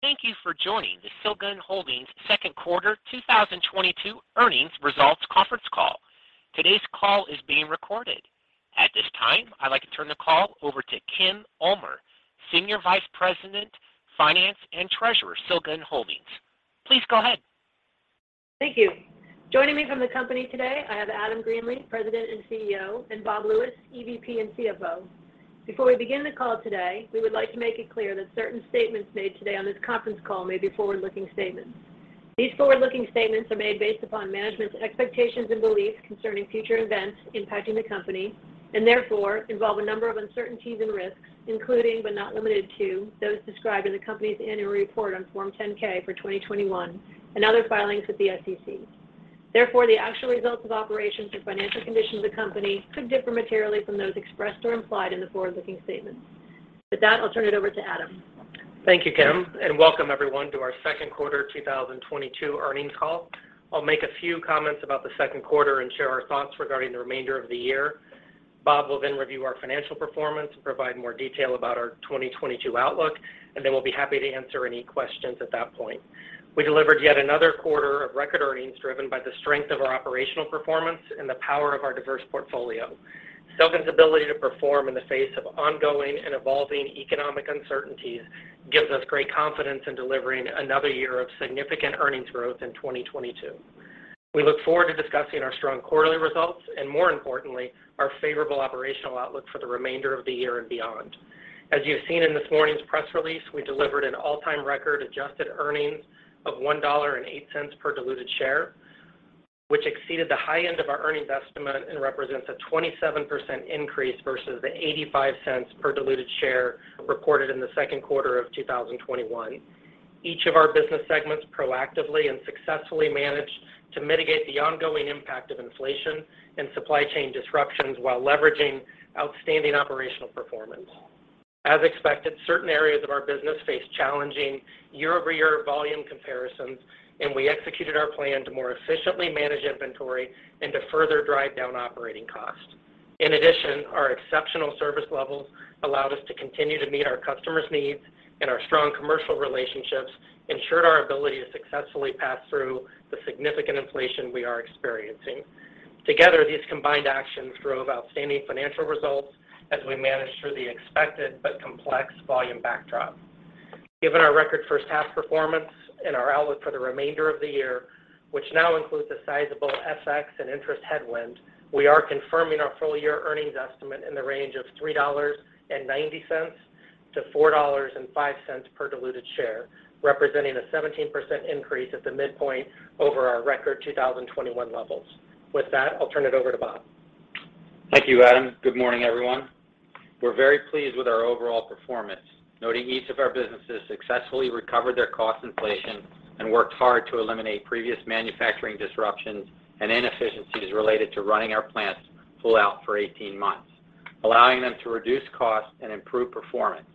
Thank you for joining the Silgan Holdings second quarter 2022 earnings results conference call. Today's call is being recorded. At this time, I'd like to turn the call over to Kimberly Ulmer, Senior Vice President, Finance and Treasurer, Silgan Holdings. Please go ahead. Thank you. Joining me from the company today, I have Adam Greenlee, President and CEO, and Bob Lewis, EVP and CFO. Before we begin the call today, we would like to make it clear that certain statements made today on this conference call may be forward-looking statements. These forward-looking statements are made based upon management's expectations and beliefs concerning future events impacting the company, and therefore involve a number of uncertainties and risks, including, but not limited to, those described in the company's annual report on Form 10-K for 2021 and other filings with the SEC. Therefore, the actual results of operations or financial conditions of the company could differ materially from those expressed or implied in the forward-looking statements. With that, I'll turn it over to Adam. Thank you, Kim, and welcome everyone to our second quarter 2022 earnings call. I'll make a few comments about the second quarter and share our thoughts regarding the remainder of the year. Bob will then review our financial performance and provide more detail about our 2022 outlook, and then we'll be happy to answer any questions at that point. We delivered yet another quarter of record earnings driven by the strength of our operational performance and the power of our diverse portfolio. Silgan's ability to perform in the face of ongoing and evolving economic uncertainties gives us great confidence in delivering another year of significant earnings growth in 2022. We look forward to discussing our strong quarterly results and more importantly, our favorable operational outlook for the remainder of the year and beyond. As you have seen in this morning's press release, we delivered an all-time record adjusted earnings of $1.08 per diluted share, which exceeded the high end of our earnings estimate and represents a 27% increase versus the $0.85 per diluted share reported in the second quarter of 2021. Each of our business segments proactively and successfully managed to mitigate the ongoing impact of inflation and supply chain disruptions while leveraging outstanding operational performance. As expected, certain areas of our business face challenging year-over-year volume comparisons, and we executed our plan to more efficiently manage inventory and to further drive down operating costs. In addition, our exceptional service levels allowed us to continue to meet our customers' needs, and our strong commercial relationships ensured our ability to successfully pass through the significant inflation we are experiencing. Together, these combined actions drove outstanding financial results as we managed through the expected but complex volume backdrop. Given our record first half performance and our outlook for the remainder of the year, which now includes the sizable FX and interest headwind, we are confirming our full-year earnings estimate in the range of $3.90-$4.05 per diluted share, representing a 17% increase at the midpoint over our record 2021 levels. With that, I'll turn it over to Bob. Thank you, Adam. Good morning, everyone. We're very pleased with our overall performance, noting each of our businesses successfully recovered their cost inflation and worked hard to eliminate previous manufacturing disruptions and inefficiencies related to running our plants full out for 18 months, allowing them to reduce costs and improve performance.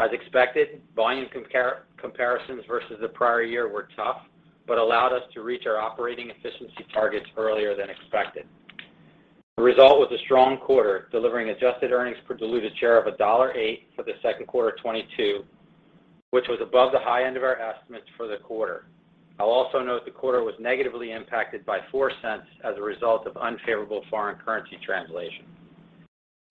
As expected, volume comparisons versus the prior year were tough, but allowed us to reach our operating efficiency targets earlier than expected. The result was a strong quarter, delivering adjusted earnings per diluted share of $1.08 for the second quarter of 2022, which was above the high end of our estimates for the quarter. I'll also note the quarter was negatively impacted by $0.04 as a result of unfavorable foreign currency translation.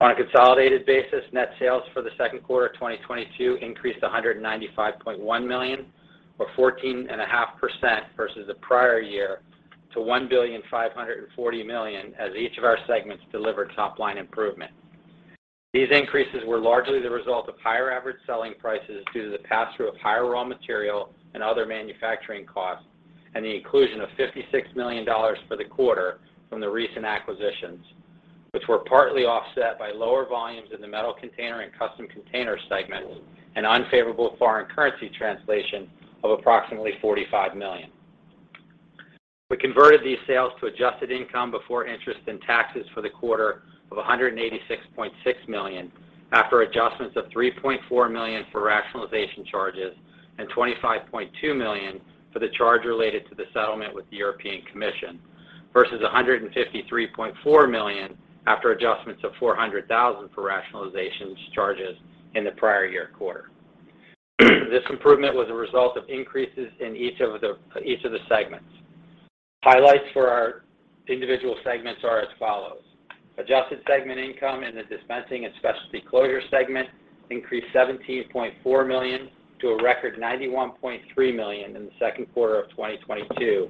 On a consolidated basis, net sales for the second quarter of 2022 increased to $195.1 million, or 14.5% versus the prior year to $1.54 billion as each of our segments delivered top line improvement. These increases were largely the result of higher average selling prices due to the pass-through of higher raw material and other manufacturing costs, and the inclusion of $56 million for the quarter from the recent acquisitions, which were partly offset by lower volumes in the metal container and custom container segment and unfavorable foreign currency translation of approximately $45 million. We converted these sales to adjusted income before interest and taxes for the quarter of $186.6 million after adjustments of $3.4 million for rationalization charges and $25.2 million for the charge related to the settlement with the European Commission versus $153.4 million after adjustments of $400,000 for rationalization charges in the prior year quarter. This improvement was a result of increases in each of the segments. Highlights for our individual segments are as follows. Adjusted segment income in the Dispensing and Specialty Closures segment increased $17.4 million to a record $91.3 million in the second quarter of 2022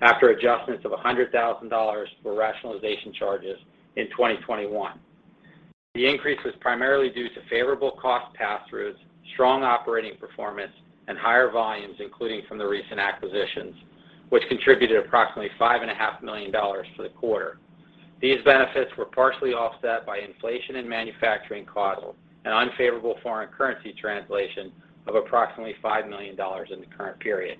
after adjustments of $100,000 for rationalization charges in 2021. The increase was primarily due to favorable cost pass-throughs, strong operating performance, and higher volumes, including from the recent acquisitions, which contributed approximately $5.5 million for the quarter. These benefits were partially offset by inflation in manufacturing costs and unfavorable foreign currency translation of approximately $5 million in the current period.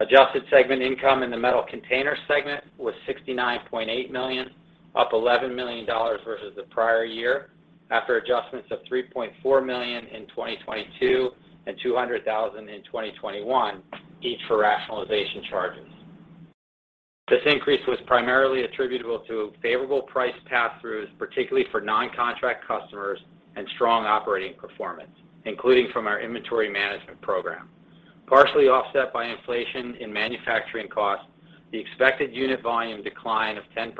Adjusted segment income in the metal container segment was $69.8 million, up $11 million versus the prior year after adjustments of $3.4 million in 2022 and $200,000 in 2021, each for rationalization charges. This increase was primarily attributable to favorable price pass-throughs, particularly for non-contract customers and strong operating performance, including from our inventory management program. Partially offset by inflation in manufacturing costs, the expected unit volume decline of 10%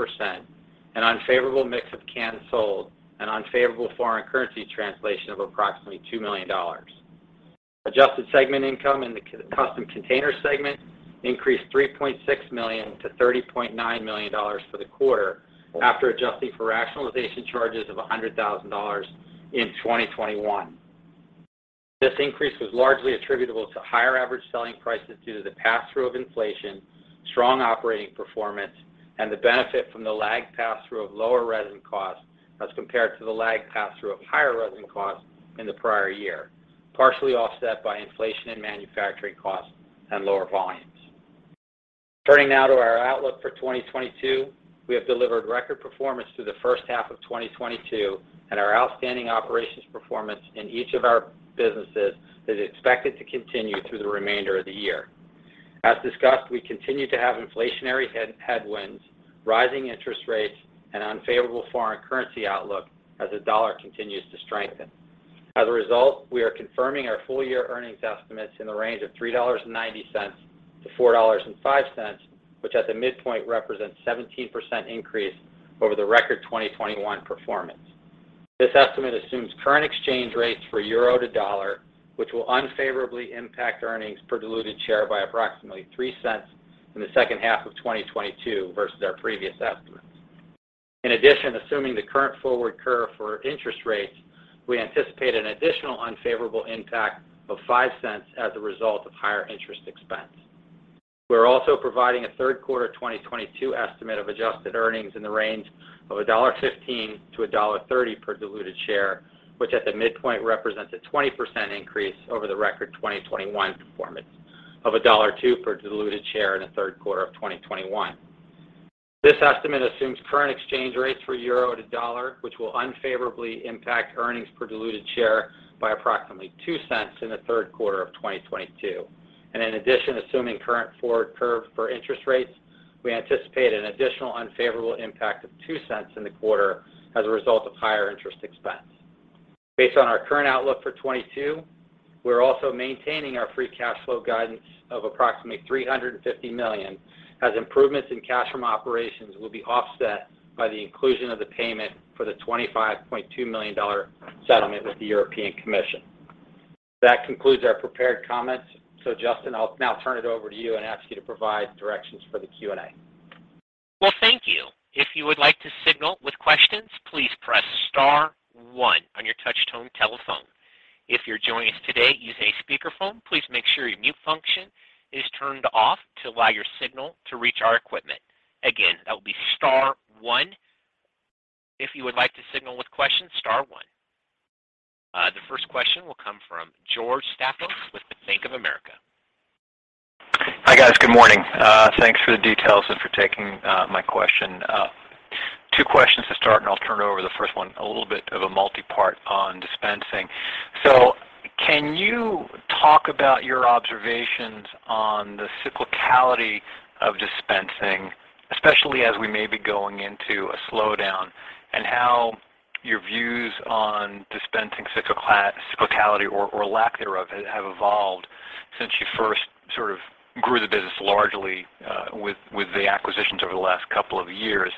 and unfavorable mix of cans sold, and unfavorable foreign currency translation of approximately $2 million. Adjusted segment income in the custom container segment increased $3.6 million to $30.9 million for the quarter after adjusting for rationalization charges of $100,000 in 2021. This increase was largely attributable to higher average selling prices due to the pass-through of inflation, strong operating performance, and the benefit from the lagged pass-through of lower resin costs as compared to the lagged pass-through of higher resin costs in the prior year, partially offset by inflation in manufacturing costs and lower volumes. Turning now to our outlook for 2022. We have delivered record performance through the first half of 2022, and our outstanding operations performance in each of our businesses is expected to continue through the remainder of the year. As discussed, we continue to have inflationary headwinds, rising interest rates, and unfavorable foreign currency outlook as the dollar continues to strengthen. As a result, we are confirming our full year earnings estimates in the range of $3.90-$4.05, which at the midpoint represents 17% increase over the record 2021 performance. This estimate assumes current exchange rates for euro to dollar, which will unfavorably impact earnings per diluted share by approximately $0.03 in the second half of 2022 versus our previous estimates. In addition, assuming the current forward curve for interest rates, we anticipate an additional unfavorable impact of $0.05 as a result of higher interest expense. We're also providing a third quarter 2022 estimate of adjusted earnings in the range of $1.15-$1.30 per diluted share, which at the midpoint represents a 20% increase over the record 2021 performance of $1.02 per diluted share in the third quarter of 2021. This estimate assumes current exchange rates for euro to dollar, which will unfavorably impact earnings per diluted share by approximately $0.02 in the third quarter of 2022. Assuming current forward curve for interest rates, we anticipate an additional unfavorable impact of $0.02 in the quarter as a result of higher interest expense. Based on our current outlook for 2022, we're also maintaining our free cash flow guidance of approximately $350 million, as improvements in cash from operations will be offset by the inclusion of the payment for the $25.2 million settlement with the European Commission. That concludes our prepared comments. Justin, I'll now turn it over to you and ask you to provide directions for the Q&A. Well, thank you. If you would like to signal with questions, please press star one on your touch tone telephone. If you're joining us today using a speakerphone, please make sure your mute function is turned off to allow your signal to reach our equipment. Again, that will be star one. If you would like to signal with questions, star one. The first question will come from George Staphos with Bank of America. Hi guys, good morning. Thanks for the details and for taking my question. Two questions to start, and I'll turn it over. The first one, a little bit of a multipart on dispensing. So can you talk about your observations on the cyclicality of dispensing, especially as we may be going into a slowdown, and how your views on dispensing cyclicality or lack thereof have evolved since you first sort of grew the business largely with the acquisitions over the last couple of years?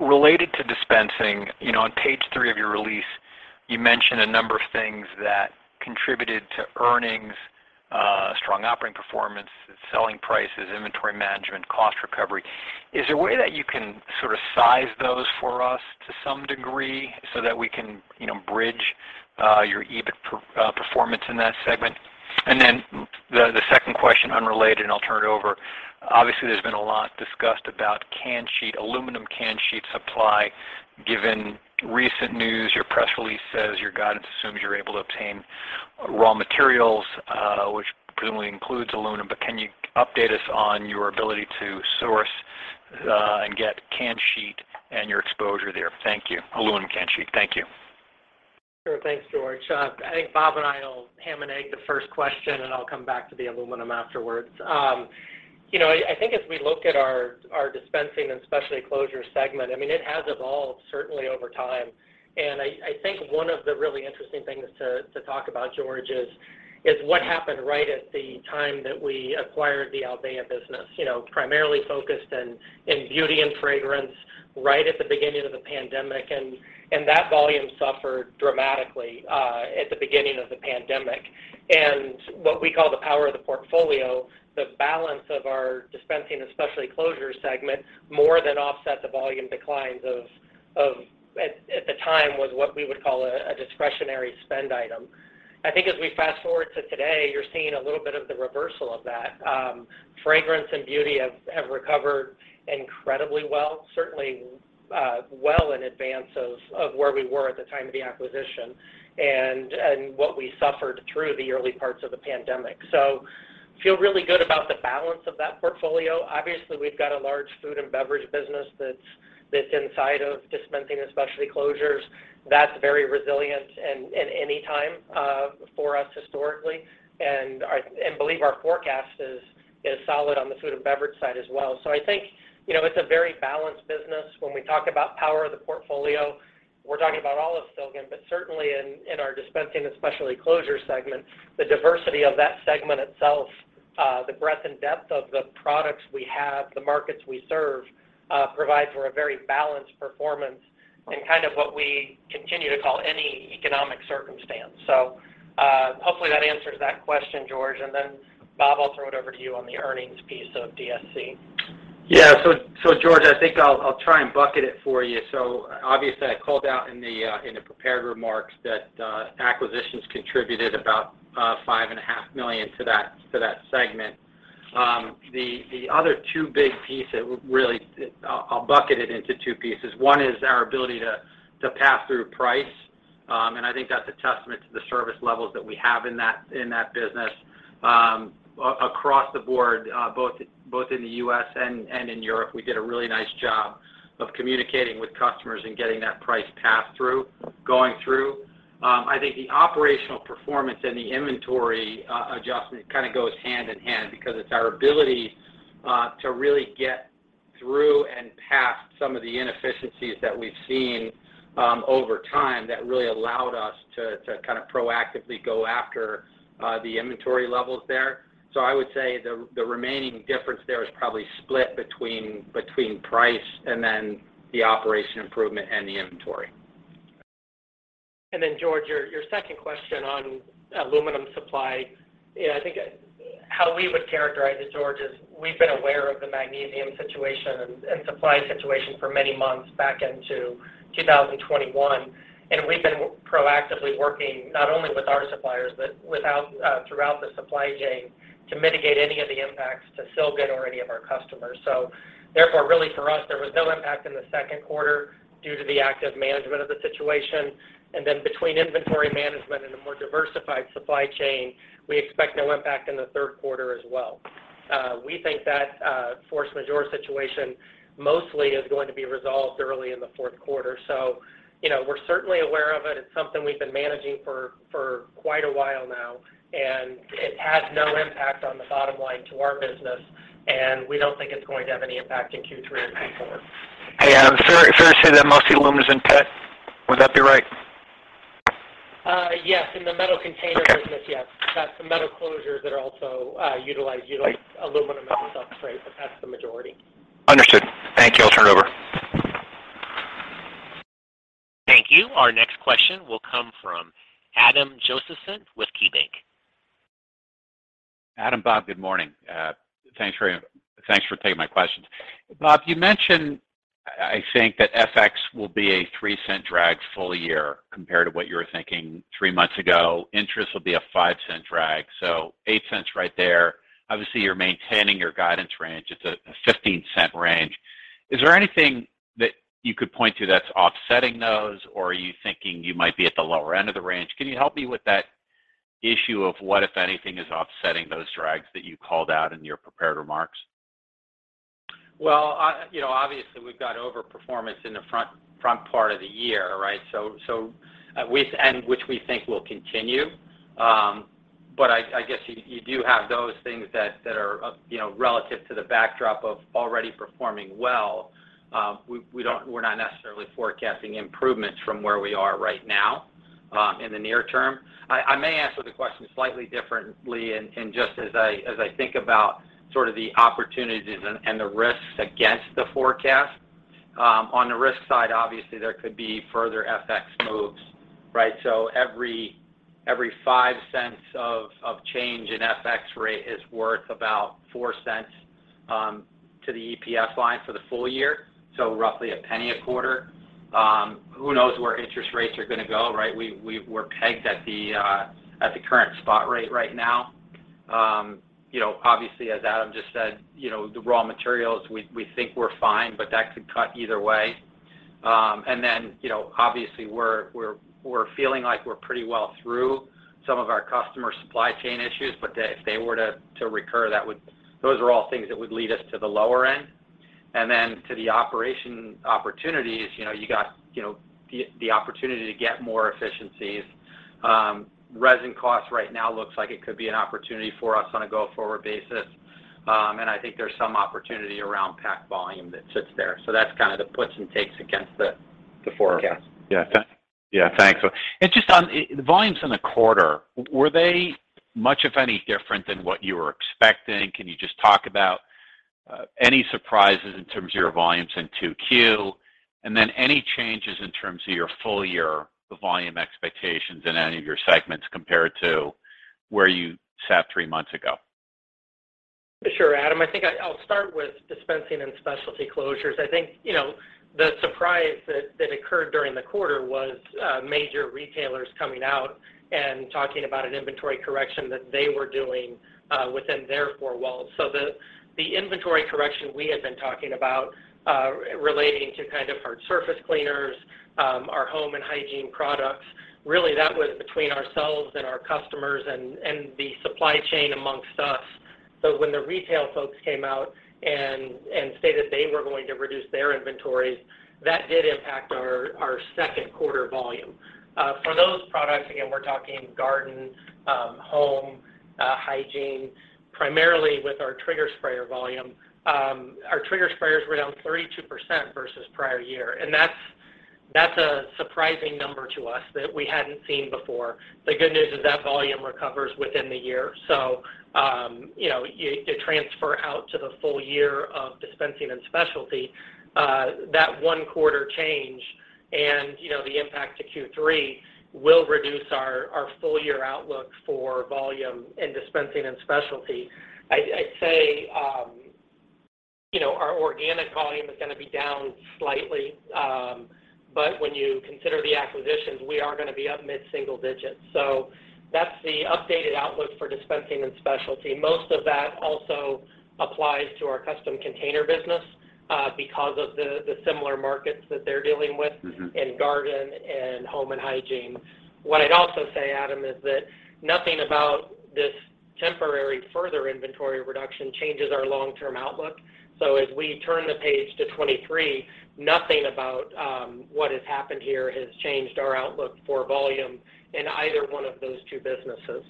Related to dispensing, you know, on page three of your release, you mentioned a number of things that contributed to earnings, strong operating performance, selling prices, inventory management, cost recovery. Is there a way that you can sort of size those for us to some degree so that we can, you know, bridge your EBIT performance in that segment? The second question, unrelated, and I'll turn it over. Obviously, there's been a lot discussed about can sheet, aluminum can sheet supply. Given recent news, your press release says your guidance assumes you're able to obtain raw materials, which presumably includes aluminum. But can you update us on your ability to source and get can sheet and your exposure there? Thank you. Aluminum can sheet. Thank you. Sure. Thanks, George. I think Bob and I will ham and egg the first question, and I'll come back to the aluminum afterwards. You know, I think as we look at our dispensing and specialty closures segment, I mean, it has evolved certainly over time. I think one of the really interesting things to talk about, George, is what happened right at the time that we acquired the Albéa business. You know, primarily focused in beauty and fragrance right at the beginning of the pandemic, and that volume suffered dramatically at the beginning of the pandemic. What we call the power of the portfolio, the balance of our Dispensing and Specialty Closures segment more than offset the volume declines of at the time was what we would call a discretionary spend item. I think as we fast-forward to today, you're seeing a little bit of the reversal of that. Fragrance and beauty have recovered incredibly well, certainly well in advance of where we were at the time of the acquisition and what we suffered through the early parts of the pandemic. Feel really good about the balance of that portfolio. Obviously, we've got a large food and beverage business that's inside of Dispensing and Specialty Closures. That's very resilient in any time for us historically. I believe our forecast is solid on the Food and Beverage side as well. I think, you know, it's a very balanced business. When we talk about power of the portfolio, we're talking about all of Silgan, but certainly in our Dispensing and Specialty Closures segment, the diversity of that segment itself, the breadth and depth of the products we have, the markets we serve, provide for a very balanced performance in kind of what we continue to call any economic circumstance. Hopefully, that answers that question, George. Then Bob, I'll throw it over to you on the earnings piece of DSC. George, I think I'll try and bucket it for you. Obviously, I called out in the prepared remarks that acquisitions contributed about $5.5 million to that segment. The other two big pieces, really. I'll bucket it into two pieces. One is our ability to pass through price. I think that's a testament to the service levels that we have in that business. Across the board, both in the U.S. and in Europe, we did a really nice job of communicating with customers and getting that price pass-through going through. I think the operational performance and the inventory adjustment kind of goes hand in hand because it's our ability to really get through and past some of the inefficiencies that we've seen over time that really allowed us to kind of proactively go after the inventory levels there. I would say the remaining difference there is probably split between price and then the operational improvement and the inventory. George, your second question on aluminum supply. Yeah, I think how we would characterize it, George is we've been aware of the magnesium situation and supply situation for many months back into 2021. We've been proactively working not only with our suppliers, but throughout the supply chain to mitigate any of the impacts to Silgan or any of our customers. Really for us, there was no impact in the second quarter due to the active management of the situation. Between inventory management and a more diversified supply chain, we expect no impact in the third quarter as well. We think that force majeure situation mostly is going to be resolved early in the fourth quarter. You know, we're certainly aware of it. It's something we've been managing for quite a while now, and it has no impact on the bottom line to our business, and we don't think it's going to have any impact in Q3 or Q4. Hey, Adam. Fair to say that mostly aluminum is in pet, would that be right? Yes. In the metal container business, yes. Okay. That's the metal closures that are also utilized. You like, [aluminum ROPPs] right? That's the majority. Understood. Thank you. I'll turn it over. Thank you. Our next question will come from Adam Josephson with KeyBanc. Adam, Bob, good morning. Thanks for taking my questions. Bob, you mentioned, I think that FX will be a $0.03 drag full year compared to what you were thinking three months ago. Interest will be a $0.05 drag, so $0.08 right there. Obviously, you're maintaining your guidance range. It's a $0.15 range. Is there anything that you could point to that's offsetting those, or are you thinking you might be at the lower end of the range? Can you help me with that issue of what, if anything, is offsetting those drags that you called out in your prepared remarks? Well, you know, obviously, we've got overperformance in the front part of the year, right? Which we think will continue. I guess you do have those things that are, you know, relative to the backdrop of already performing well. We're not necessarily forecasting improvements from where we are right now, in the near term. I may answer the question slightly differently and just as I think about sort of the opportunities and the risks against the forecast. On the risk side, obviously, there could be further FX moves, right? Every $0.05 of change in FX rate is worth about $0.04 to the EPS line for the full year, so roughly $0.01 a quarter. Who knows where interest rates are gonna go, right? We're pegged at the current spot rate right now. You know, obviously, as Adam just said, you know, the raw materials, we think we're fine, but that could cut either way. You know, obviously, we're feeling like we're pretty well through some of our customer supply chain issues, but if they were to recur, that would. Those are all things that would lead us to the lower end. To the operational opportunities, you know, you got, you know, the opportunity to get more efficiencies. Resin costs right now looks like it could be an opportunity for us on a go-forward basis. I think there's some opportunity around pack volume that sits there. That's kind of the puts and takes against the forecast. Okay. Yeah, thanks. Just on the volumes in the quarter, were they much, if any, different than what you were expecting? Can you just talk about any surprises in terms of your volumes in 2Q? Any changes in terms of your full year volume expectations in any of your segments compared to where you sat three months ago? Sure, Adam. I think I'll start with Dispensing and Specialty Closures. I think, you know, the surprise that occurred during the quarter was major retailers coming out and talking about an inventory correction that they were doing within their four walls. The inventory correction we had been talking about relating to kind of hard surface cleaners, our home and hygiene products, really that was between ourselves and our customers and the supply chain amongst us. When the retail folks came out and stated they were going to reduce their inventories, that did impact our second quarter volume. For those products, again, we're talking garden, home, hygiene, primarily with our trigger sprayer volume. Our trigger sprayers were down 32% versus prior year, and that's a surprising number to us that we hadn't seen before. The good news is that volume recovers within the year. You know, you transfer out to the full year of dispensing and specialty, that one quarter change and, you know, the impact to Q3 will reduce our full year outlook for volume in dispensing and specialty. I'd say, you know, our organic volume is gonna be down slightly, but when you consider the acquisitions, we are gonna be up mid-single digits. That's the updated outlook for dispensing and specialty. Most of that also applies to our custom container business, because of the similar markets that they're dealing with. Mm-hmm In garden and home and hygiene. What I'd also say, Adam, is that nothing about this temporary further inventory reduction changes our long-term outlook. As we turn the page to 2023, nothing about what has happened here has changed our outlook for volume in either one of those two businesses.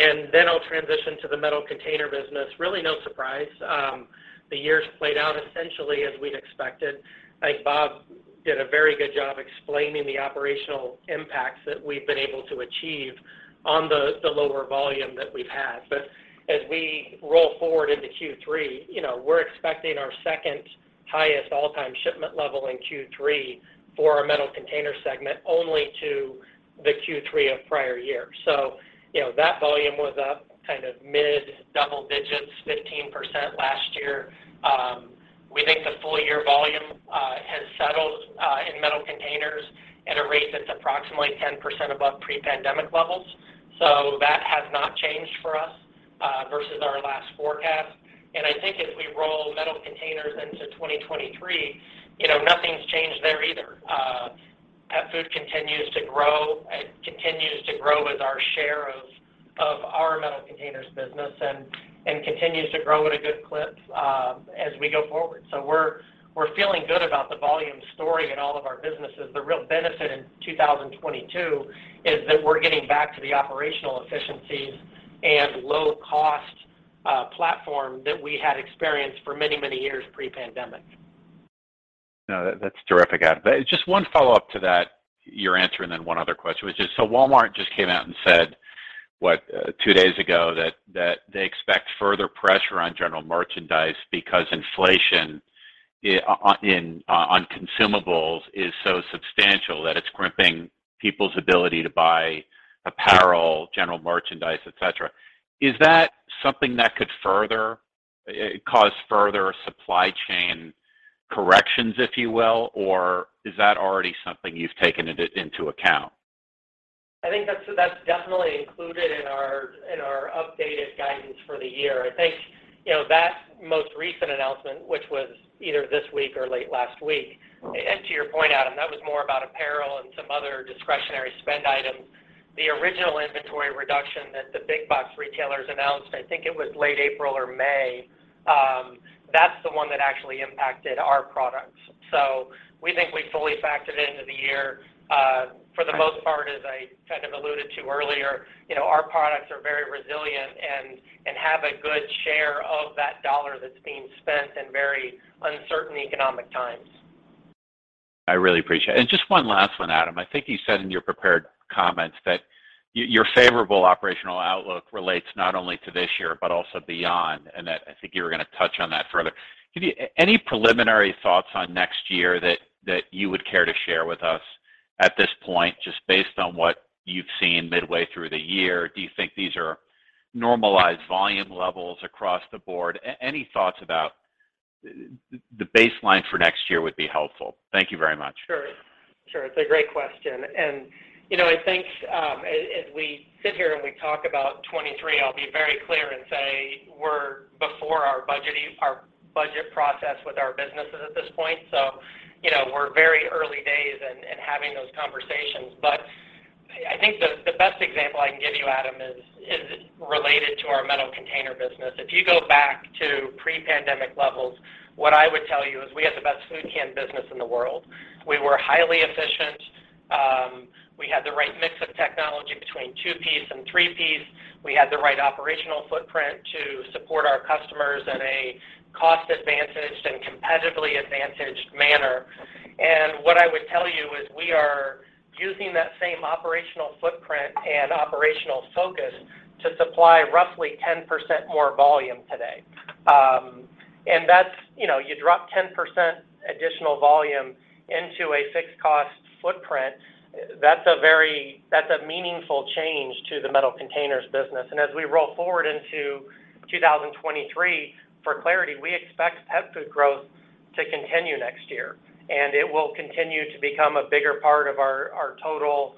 I'll transition to the metal container business. Really no surprise, the year played out essentially as we'd expected. I think Bob did a very good job explaining the operational impacts that we've been able to achieve on the lower volume that we've had. As we roll forward into Q3, you know, we're expecting our second highest all-time shipment level in Q3 for our metal container segment only to the Q3 of prior year. You know, that volume was up kind of mid double digits, 15% last year. We think the full year volume has settled in metal containers at a rate that's approximately 10% above pre-pandemic levels. That has not changed for us versus our last forecast. I think as we roll metal containers into 2023, you know, nothing's changed there either. Pet food continues to grow. It continues to grow as our share of our metal containers business and continues to grow at a good clip as we go forward. We're feeling good about the volume story in all of our businesses. The real benefit in 2022 is that we're getting back to the operational efficiencies and low cost platform that we had experienced for many, many years pre-pandemic. No, that's terrific, Adam. Just one follow-up to that, your answer, and then one other question, which is, Walmart just came out and said, what, two days ago that they expect further pressure on general merchandise because inflation on consumables is so substantial that it's crimping people's ability to buy apparel, general merchandise, et cetera. Is that something that could further cause further supply chain corrections, if you will? Or is that already something you've taken into account? I think that's definitely included in our updated guidance for the year. I think, you know, that most recent announcement, which was either this week or late last week, and to your point, Adam, that was more about apparel and some other discretionary spend items. The original inventory reduction that the big box retailers announced, I think it was late April or May, that's the one that actually impacted our products. We think we fully factored it into the year. For the most part, as I kind of alluded to earlier, you know, our products are very resilient and have a good share of that dollar that's being spent in very uncertain economic times. I really appreciate it. Just one last one, Adam. I think you said in your prepared comments that your favorable operational outlook relates not only to this year, but also beyond, and that I think you were gonna touch on that further. Any preliminary thoughts on next year that you would care to share with us at this point, just based on what you've seen midway through the year? Do you think these are normalized volume levels across the board? Any thoughts about the baseline for next year would be helpful. Thank you very much. Sure. It's a great question. You know, I think, as we sit here and we talk about 2023, I'll be very clear and say we're before our budget process with our businesses at this point. You know, we're very early days in having those conversations. I think the best example I can give you, Adam, is related to our metal container business. If you go back to pre-pandemic levels, what I would tell you is we had the best food can business in the world. We were highly efficient. We had the right mix of technology between two-piece and three-piece. We had the right operational footprint to support our customers at a cost advantaged and competitively advantaged manner. What I would tell you is we are using that same operational footprint and operational focus to supply roughly 10% more volume today. That's, you know, you drop 10% additional volume into a fixed cost footprint, that's a meaningful change to the metal containers business. As we roll forward into 2023, for clarity, we expect pet food growth to continue next year, and it will continue to become a bigger part of our total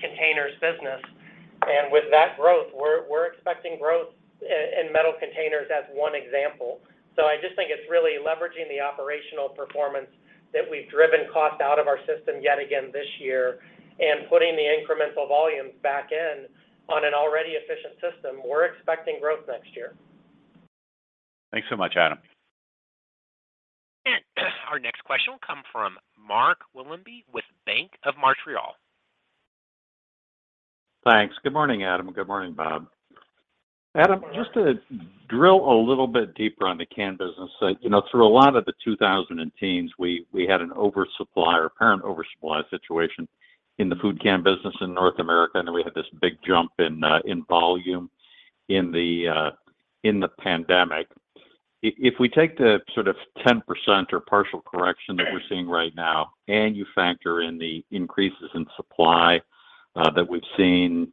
containers business. With that growth, we're expecting growth in metal containers as one example. I just think it's really leveraging the operational performance that we've driven cost out of our system yet again this year, and putting the incremental volumes back in on an already efficient system, we're expecting growth next year. Thanks so much, Adam. Our next question will come from Mark Wilde with Bank of Montreal. Thanks. Good morning, Adam. Good morning, Bob. Adam, just to drill a little bit deeper on the can business. You know, through a lot of the 2010s, we had an oversupply or apparent oversupply situation in the food can business in North America, and then we had this big jump in volume in the pandemic. If we take the sort of 10% or partial correction that we're seeing right now, and you factor in the increases in supply that we've seen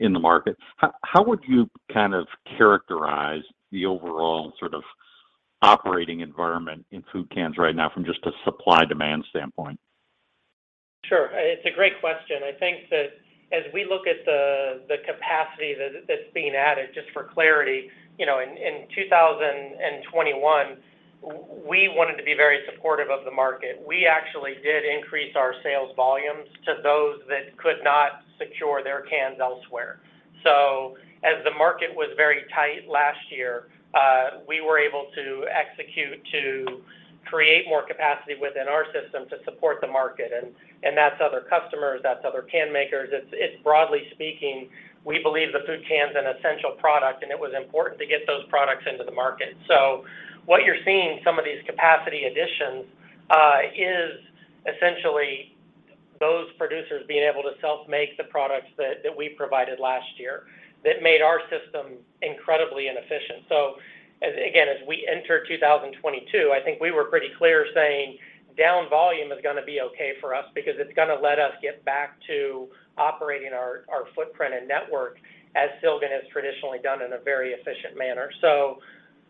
in the market, how would you kind of characterize the overall sort of operating environment in food cans right now from just a supply-demand standpoint? Sure. It's a great question. I think that as we look at the capacity that's being added, just for clarity, you know, in 2021, we wanted to be very supportive of the market. We actually did increase our sales volumes to those that could not secure their cans elsewhere. As the market was very tight last year, we were able to execute to create more capacity within our system to support the market, and that's other customers, that's other can makers. It's broadly speaking, we believe the food can is an essential product, and it was important to get those products into the market. What you're seeing, some of these capacity additions, is essentially those producers being able to self-make the products that we provided last year that made our system incredibly inefficient. As we enter 2022, I think we were pretty clear saying down volume is gonna be okay for us because it's gonna let us get back to operating our footprint and network as Silgan has traditionally done in a very efficient manner.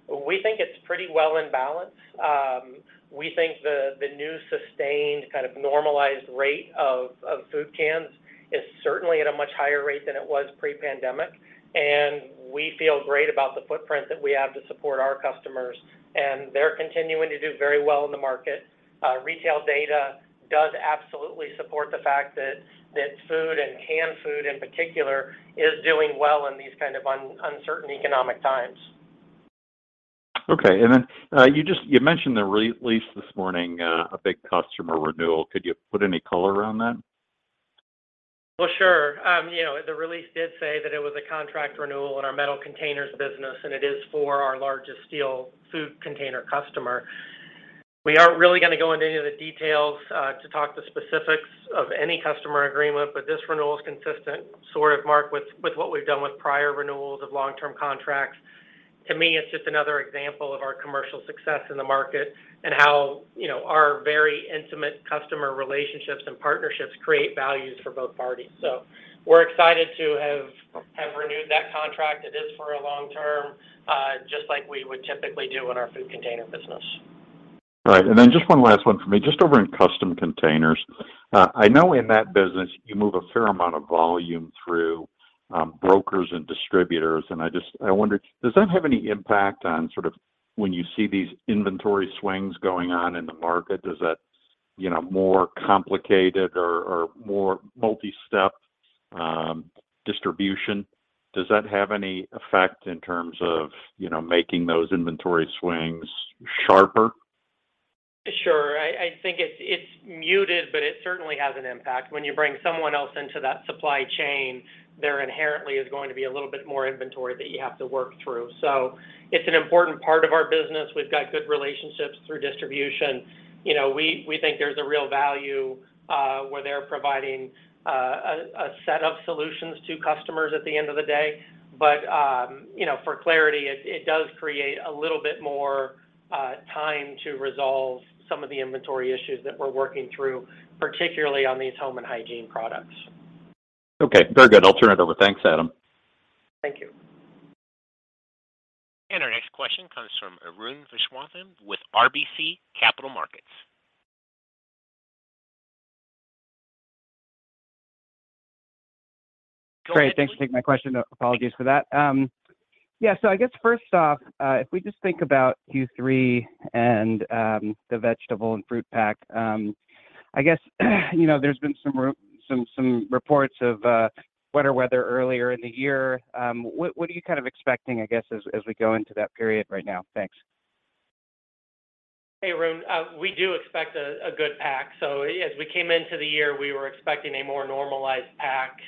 We think it's pretty well in balance. We think the new sustained kind of normalized rate of food cans is certainly at a much higher rate than it was pre-pandemic. We feel great about the footprint that we have to support our customers, and they're continuing to do very well in the market. Retail data does absolutely support the fact that food and canned food in particular is doing well in these kind of uncertain economic times. Okay. You mentioned the earnings release this morning, a big customer renewal. Could you put any color on that? Well, sure. You know, the release did say that it was a contract renewal in our metal containers business, and it is for our largest steel food container customer. We aren't really gonna go into any of the details to talk the specifics of any customer agreement, but this renewal is consistent, sort of Mark, with what we've done with prior renewals of long-term contracts. To me, it's just another example of our commercial success in the market and how, you know, our very intimate customer relationships and partnerships create values for both parties. We're excited to have renewed that contract. It is for a long term, just like we would typically do in our food container business. All right. Then just one last one for me, just over in custom containers. I know in that business you move a fair amount of volume through brokers and distributors, and I wonder, does that have any impact on sort of when you see these inventory swings going on in the market, does that, you know, more complicated or more multi-step distribution? Does that have any effect in terms of, you know, making those inventory swings sharper? Sure. I think it's muted, but it certainly has an impact. When you bring someone else into that supply chain, there inherently is going to be a little bit more inventory that you have to work through. It's an important part of our business. We've got good relationships through distribution. You know, we think there's a real value where they're providing a set of solutions to customers at the end of the day. You know, for clarity, it does create a little bit more time to resolve some of the inventory issues that we're working through, particularly on these home and hygiene products. Okay. Very good. I'll turn it over. Thanks, Adam. Thank you. Our next question comes from Arun Viswanathan with RBC Capital Markets. Go ahead. Great. Thanks for taking my question. Apologies for that. Yeah, so I guess first off, if we just think about Q3 and the vegetable and fruit pack, I guess, you know, there's been some reports of wetter weather earlier in the year. What are you kind of expecting, I guess, as we go into that period right now? Thanks. Hey, Arun. We do expect a good pack. As we came into the year, we were expecting a more normalized pack.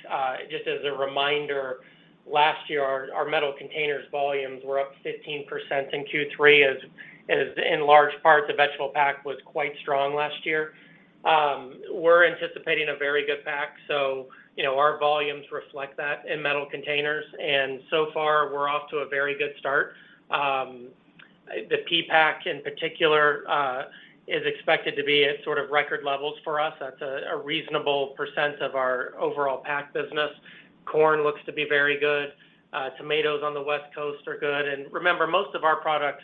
Just as a reminder, last year, our metal containers volumes were up 15% in Q3 as in large part, the vegetable pack was quite strong last year. We're anticipating a very good pack. You know, our volumes reflect that in metal containers, and so far, we're off to a very good start. The pea pack in particular is expected to be at sort of record levels for us. That's a reasonable percent of our overall pack business. Corn looks to be very good. Tomatoes on the West Coast are good. Remember, most of our products,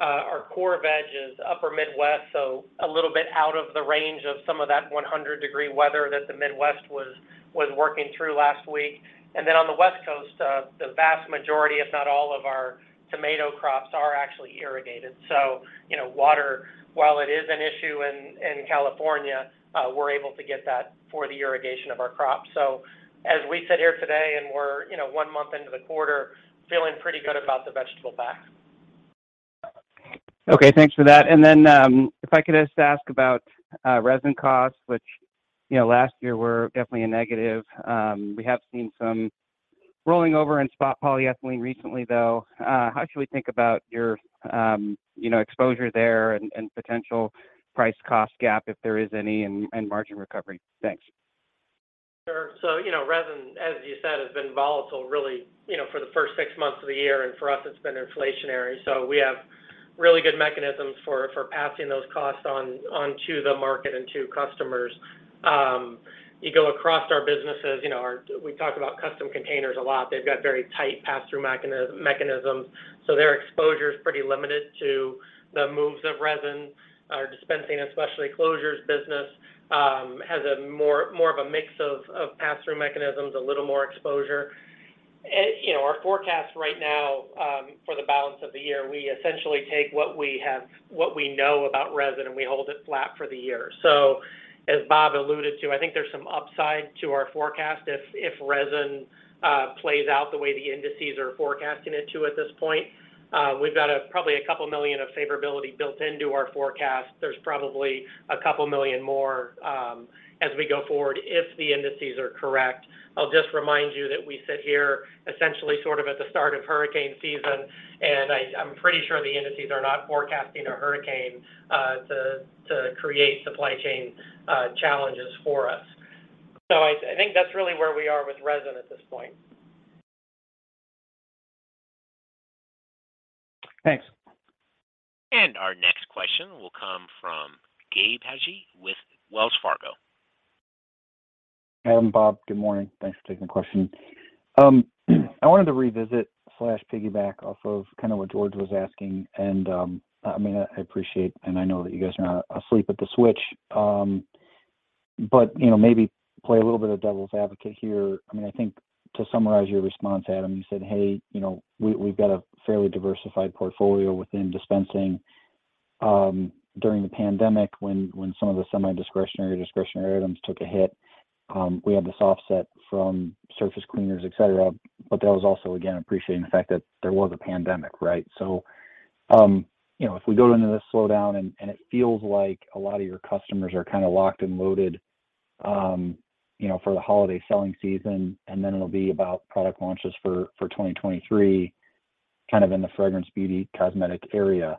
our core veg is Upper Midwest, so a little bit out of the range of some of that 100-degree weather that the Midwest was working through last week. Then on the West Coast, the vast majority, if not all of our tomato crops are actually irrigated. You know, water, while it is an issue in California, we're able to get that for the irrigation of our crops. As we sit here today and we're, you know, one month into the quarter, feeling pretty good about the vegetable pack. Okay. Thanks for that. If I could just ask about resin costs, which, you know, last year were definitely a negative. We have seen some rolling over in spot polyethylene recently, though. How should we think about your, you know, exposure there and potential price cost gap if there is any and margin recovery? Thanks. Sure. You know, resin, as you said, has been volatile really, you know, for the first six months of the year, and for us, it's been inflationary. We have really good mechanisms for passing those costs on to the market and to customers. You go across our businesses. You know, we talk about Custom Containers a lot. They've got very tight pass-through mechanisms, so their exposure is pretty limited to the moves of resin. Our Dispensing and Specialty Closures business has more of a mix of pass-through mechanisms, a little more exposure. You know, our forecast right now for the balance of the year, we essentially take what we know about resin, and we hold it flat for the year. As Bob alluded to, I think there's some upside to our forecast if resin plays out the way the indices are forecasting it to at this point. We've got probably a couple million of favorability built into our forecast. There's probably a couple million more as we go forward if the indices are correct. I'll just remind you that we sit here essentially sort of at the start of hurricane season, and I'm pretty sure the indices are not forecasting a hurricane to create supply chain challenges for us. I think that's really where we are with resin at this point. Thanks. Our next question will come from Gabe Hajde with Wells Fargo. Adam, Bob, good morning. Thanks for taking the question. I wanted to revisit or piggyback off of kind of what George was asking. I mean, I appreciate and I know that you guys are not asleep at the switch. You know, maybe play a little bit of devil's advocate here. I mean, I think to summarize your response, Adam, you said, Hey, you know, we've got a fairly diversified portfolio within dispensing. During the pandemic when some of the semi-discretionary, discretionary items took a hit, we had this offset from surface cleaners, et cetera. But that was also, again, appreciating the fact that there was a pandemic, right? You know, if we go into this slowdown and it feels like a lot of your customers are kinda locked and loaded, you know, for the holiday selling season, and then it'll be about product launches for 2023 kind of in the fragrance, beauty, cosmetic area,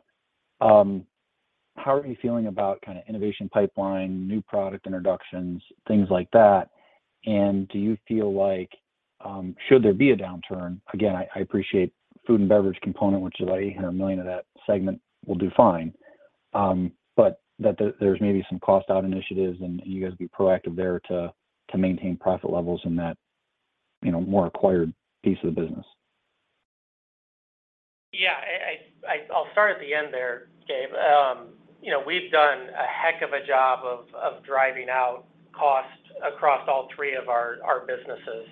how are you feeling about kinda innovation pipeline, new product introductions, things like that? Do you feel like should there be a downturn, again, I appreciate food and beverage component, which [$80 million] of that segment will do fine. But that there's maybe some cost out initiatives and you guys be proactive there to maintain profit levels in that, you know, more acquired piece of the business. Yeah. I'll start at the end there, Gabe. You know, we've done a heck of a job of driving out cost across all three of our businesses.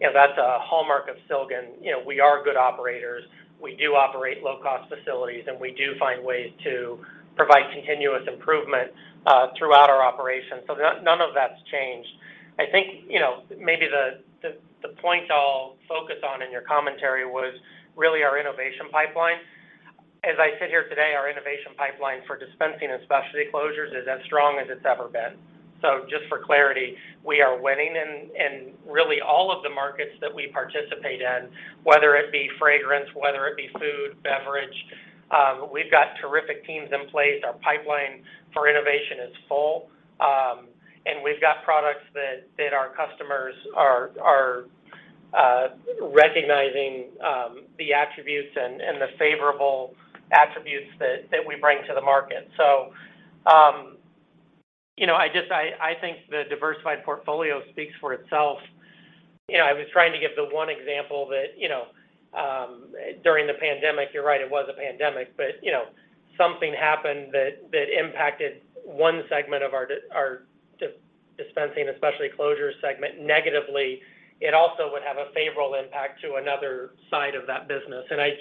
You know, that's a hallmark of Silgan. You know, we are good operators. We do operate low-cost facilities, and we do find ways to provide continuous improvement throughout our operations. None of that's changed. I think, you know, maybe the point I'll focus on in your commentary was really our innovation pipeline. As I sit here today, our innovation pipeline for Dispensing and Specialty Closures is as strong as it's ever been. Just for clarity, we are winning in really all of the markets that we participate in, whether it be fragrance, whether it be food, beverage. We've got terrific teams in place. Our pipeline for innovation is full. We've got products that our customers are recognizing the attributes and the favorable attributes that we bring to the market. You know, I think the diversified portfolio speaks for itself. You know, I was trying to give the one example that during the pandemic, you're right, it was a pandemic, but you know, something happened that impacted one segment of our dispensing and specialty closures segment negatively. It also would have a favorable impact to another side of that business. I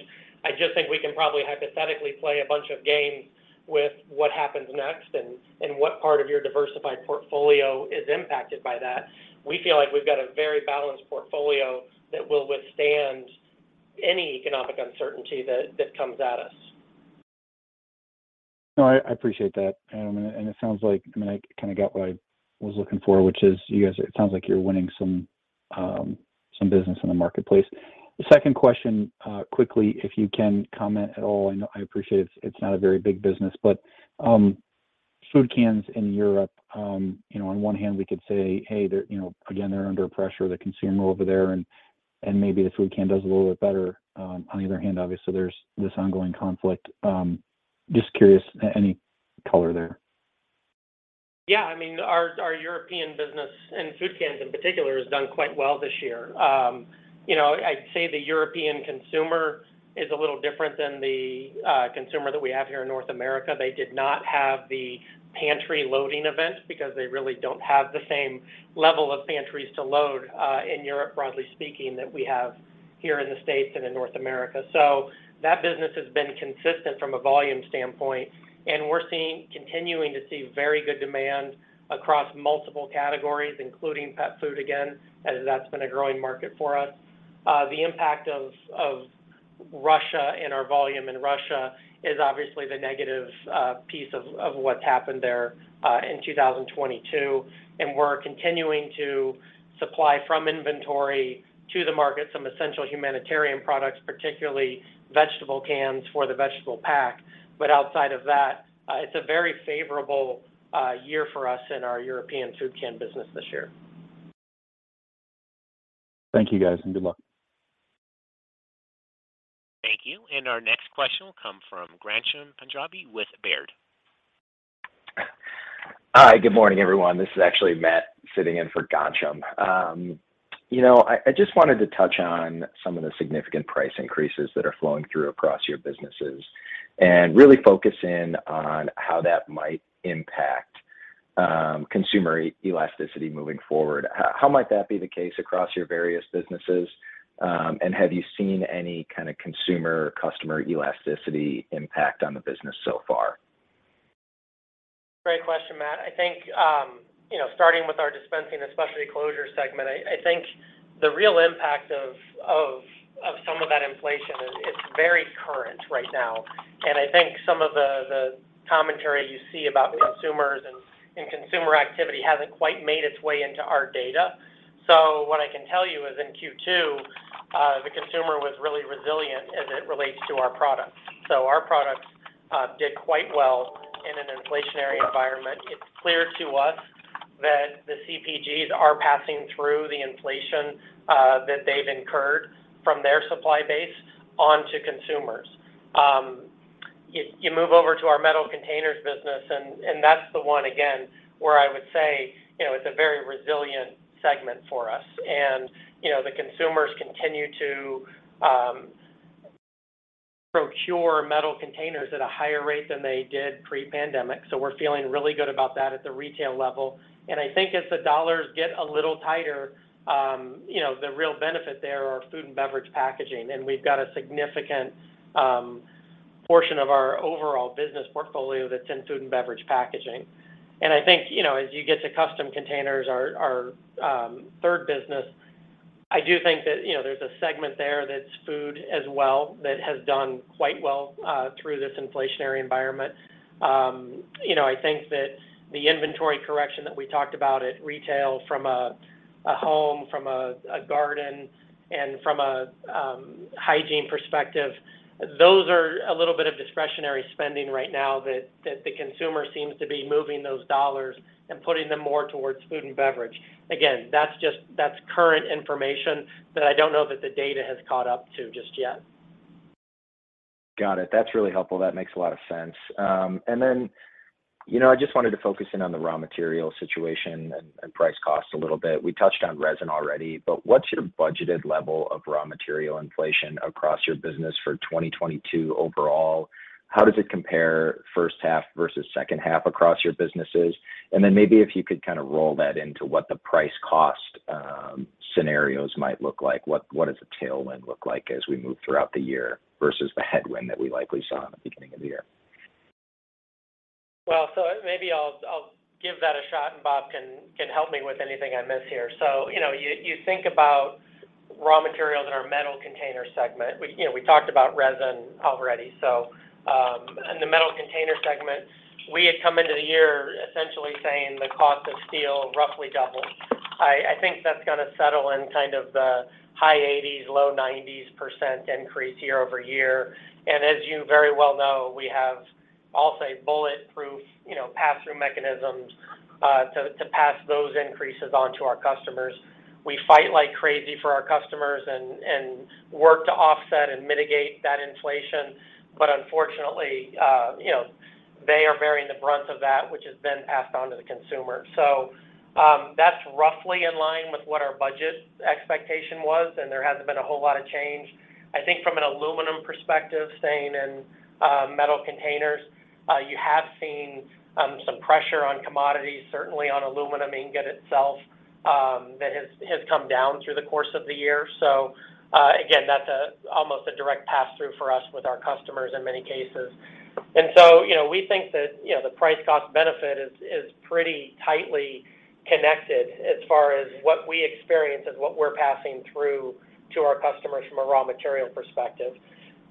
just think we can probably hypothetically play a bunch of games with what happens next and what part of your diversified portfolio is impacted by that. We feel like we've got a very balanced portfolio that will withstand any economic uncertainty that comes at us. No, I appreciate that, Adam. It sounds like, I mean, I kinda got what I was looking for, which is you guys, it sounds like you're winning some business in the marketplace. The second question, quickly, if you can comment at all. I know, I appreciate it's not a very big business. Food cans in Europe, you know, on one hand, we could say, "Hey, they're, you know, again, they're under pressure, the consumer over there, and maybe the food can does a little bit better." On the other hand, obviously, there's this ongoing conflict. Just curious, any color there? Yeah. I mean, our European business and food cans in particular has done quite well this year. You know, I'd say the European consumer is a little different than the consumer that we have here in North America. They did not have the pantry loading event because they really don't have the same level of pantries to load in Europe, broadly speaking, that we have here in the States and in North America. That business has been consistent from a volume standpoint, and we're continuing to see very good demand across multiple categories, including pet food again, as that's been a growing market for us. The impact of Russia and our volume in Russia is obviously the negative piece of what's happened there in 2022. We're continuing to supply from inventory to the market some essential humanitarian products, particularly vegetable cans for the vegetable pack. Outside of that, it's a very favorable year for us in our European food can business this year. Thank you, guys, and good luck. Thank you. Our next question will come from Ghansham Panjabi with Baird. Hi. Good morning, everyone. This is actually Matt sitting in for Ghansham. You know, I just wanted to touch on some of the significant price increases that are flowing through across your businesses and really focus in on how that might impact consumer elasticity moving forward. How might that be the case across your various businesses, and have you seen any kind of consumer or customer elasticity impact on the business so far? Great question, Matt. I think, you know, starting with our dispensing and specialty closures segment, I think the real impact of some of that inflation is very current right now. I think some of the commentary you see about consumers and consumer activity hasn't quite made its way into our data. What I can tell you is in Q2, the consumer was really resilient as it relates to our products. Our products did quite well in an inflationary environment. It's clear to us that the CPGs are passing through the inflation that they've incurred from their supply base onto consumers. You move over to our metal container business, and that's the one again where I would say, you know, it's a very resilient segment for us. You know, the consumers continue to procure metal containers at a higher rate than they did pre-pandemic. We're feeling really good about that at the retail level. I think as the dollars get a little tighter, you know, the real benefit there are food and beverage packaging, and we've got a significant portion of our overall business portfolio that's in food and beverage packaging. I think, you know, as you get to custom containers, our third business, I do think that, you know, there's a segment there that's food as well that has done quite well through this inflationary environment. You know, I think that the inventory correction that we talked about at retail from a home, from a garden, and from a hygiene perspective, those are a little bit of discretionary spending right now that the consumer seems to be moving those dollars and putting them more towards food and beverage. Again, that's just, that's current information that I don't know that the data has caught up to just yet. Got it. That's really helpful. That makes a lot of sense. And then, you know, I just wanted to focus in on the raw material situation and price cost a little bit. We touched on resin already, but what's your budgeted level of raw material inflation across your business for 2022 overall? How does it compare first half versus second half across your businesses? And then maybe if you could kind of roll that into what the price cost scenarios might look like. What does a tailwind look like as we move throughout the year versus the headwind that we likely saw in the beginning of the year? Maybe I'll give that a shot, and Bob can help me with anything I miss here. You know, you think about raw materials in our metal container segment. You know, we talked about resin already. In the metal container segment, we had come into the year essentially saying the cost of steel roughly doubled. I think that's gonna settle in kind of the high 80%-low 90% increase year-over-year. As you very well know, we have, I'll say, bulletproof, you know, pass-through mechanisms to pass those increases on to our customers. We fight like crazy for our customers and work to offset and mitigate that inflation. Unfortunately, you know, they are bearing the brunt of that, which is then passed on to the consumer. That's roughly in line with what our budget expectation was, and there hasn't been a whole lot of change. I think from an aluminum perspective, staying in metal containers, you have seen some pressure on commodities, certainly on aluminum ingot itself, that has come down through the course of the year. Again, that's almost a direct pass-through for us with our customers in many cases. You know, we think that, you know, the price-cost benefit is pretty tightly connected as far as what we experience and what we're passing through to our customers from a raw material perspective.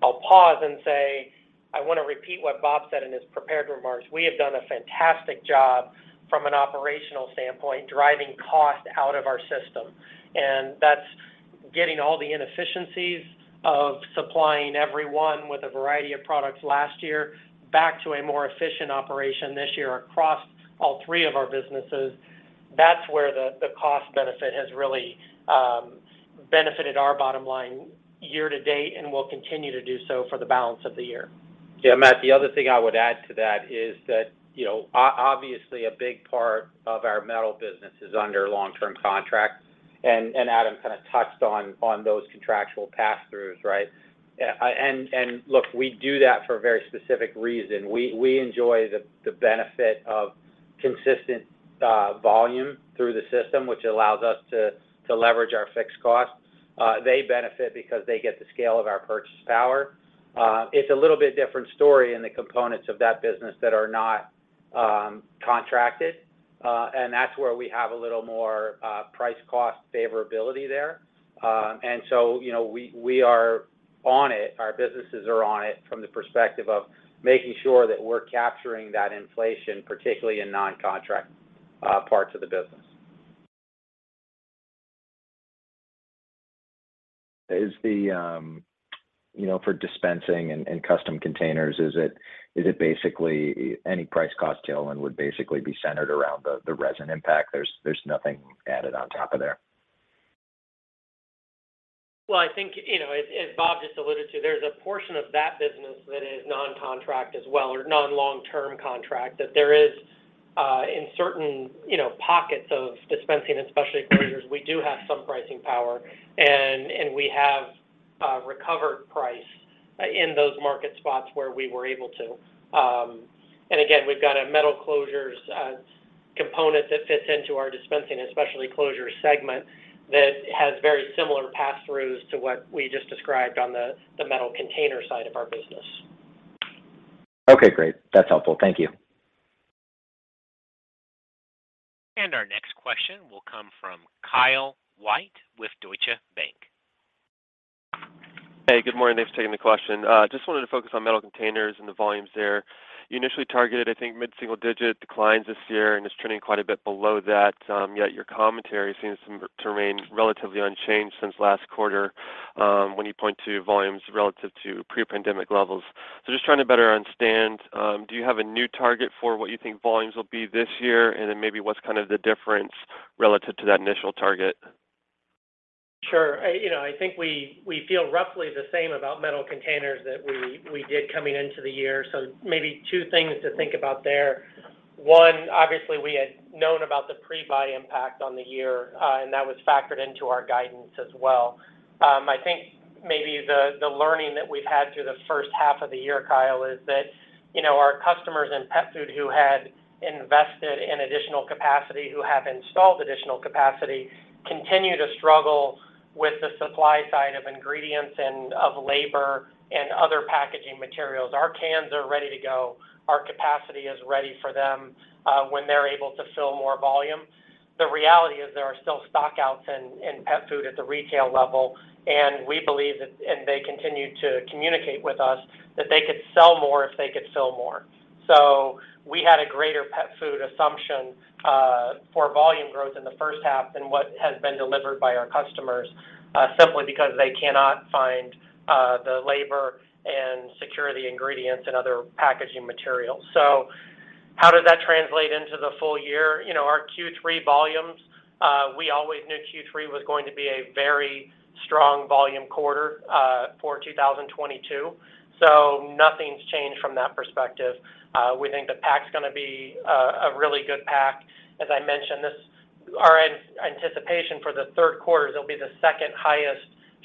I'll pause and say, I wanna repeat what Bob said in his prepared remarks. We have done a fantastic job from an operational standpoint, driving cost out of our system. That's getting all the inefficiencies of supplying everyone with a variety of products last year back to a more efficient operation this year across all three of our businesses. That's where the cost benefit has really benefited our bottom line year to date and will continue to do so for the balance of the year. Yeah, Matt, the other thing I would add to that is that obviously a big part of our metal business is under long-term contracts. Adam kind of touched on those contractual pass-throughs, right? Look, we do that for a very specific reason. We enjoy the benefit of consistent volume through the system, which allows us to leverage our fixed costs. They benefit because they get the scale of our purchasing power. It's a little bit different story in the components of that business that are not contracted. That's where we have a little more price-cost favorability there. You know, we are on it. Our businesses are on it from the perspective of making sure that we're capturing that inflation, particularly in non-contract parts of the business. Is the, you know, for Dispensing and Custom Containers, is it basically any price cost tailwind would basically be centered around the resin impact? There's nothing added on top of that? I think, you know, as Bob just alluded to, there's a portion of that business that is non-contract as well, or non-long term contract that there is in certain, you know, pockets of Dispensing and Specialty Closures, we do have some pricing power. We have recovered price in those market spots where we were able to. Again, we've got a metal closures component that fits into our Dispensing and Specialty Closures segment that has very similar pass-throughs to what we just described on the metal container side of our business. Okay, great. That's helpful. Thank you. Our next question will come from Kyle White with Deutsche Bank. Hey, good morning. Thanks for taking the question. Just wanted to focus on metal containers and the volumes there. You initially targeted, I think, mid-single digit declines this year, and it's trending quite a bit below that. Yet your commentary seems to remain relatively unchanged since last quarter, when you point to volumes relative to pre-pandemic levels. Just trying to better understand, do you have a new target for what you think volumes will be this year? And then maybe what's kind of the difference relative to that initial target? Sure. You know, I think we feel roughly the same about metal containers that we did coming into the year. Maybe two things to think about there. One, obviously we had known about the pre-buy impact on the year, and that was factored into our guidance as well. I think maybe the learning that we've had through the first half of the year, Kyle, is that, you know, our customers in pet food who had invested in additional capacity, who have installed additional capacity, continue to struggle with the supply side of ingredients and of labor and other packaging materials. Our cans are ready to go. Our capacity is ready for them, when they're able to fill more volume. The reality is there are still stock outs in pet food at the retail level, and we believe that. They continue to communicate with us that they could sell more if they could fill more. So we had a greater pet food assumption for volume growth in the first half than what has been delivered by our customers simply because they cannot find the labor and secure the ingredients and other packaging materials. So how does that translate into the full year? You know, our Q3 volumes, we always knew Q3 was going to be a very strong volume quarter for 2022. So nothing's changed from that perspective. We think the pack's gonna be a really good pack. As I mentioned, our anticipation for the third quarter, it'll be the second highest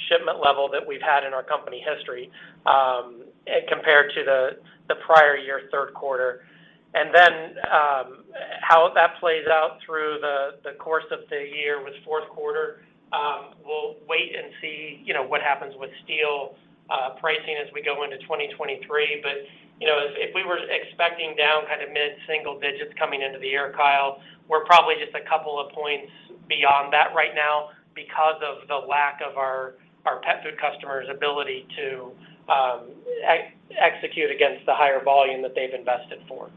shipment level that we've had in our company history compared to the prior year third quarter. How that plays out through the course of the year with fourth quarter, we'll wait and see, you know, what happens with steel pricing as we go into 2023. You know, if we were expecting down kind of mid-single digits coming into the year, Kyle, we're probably just a couple of points beyond that right now because of the lack of our pet food customers' ability to execute against the higher volume that they've invested for.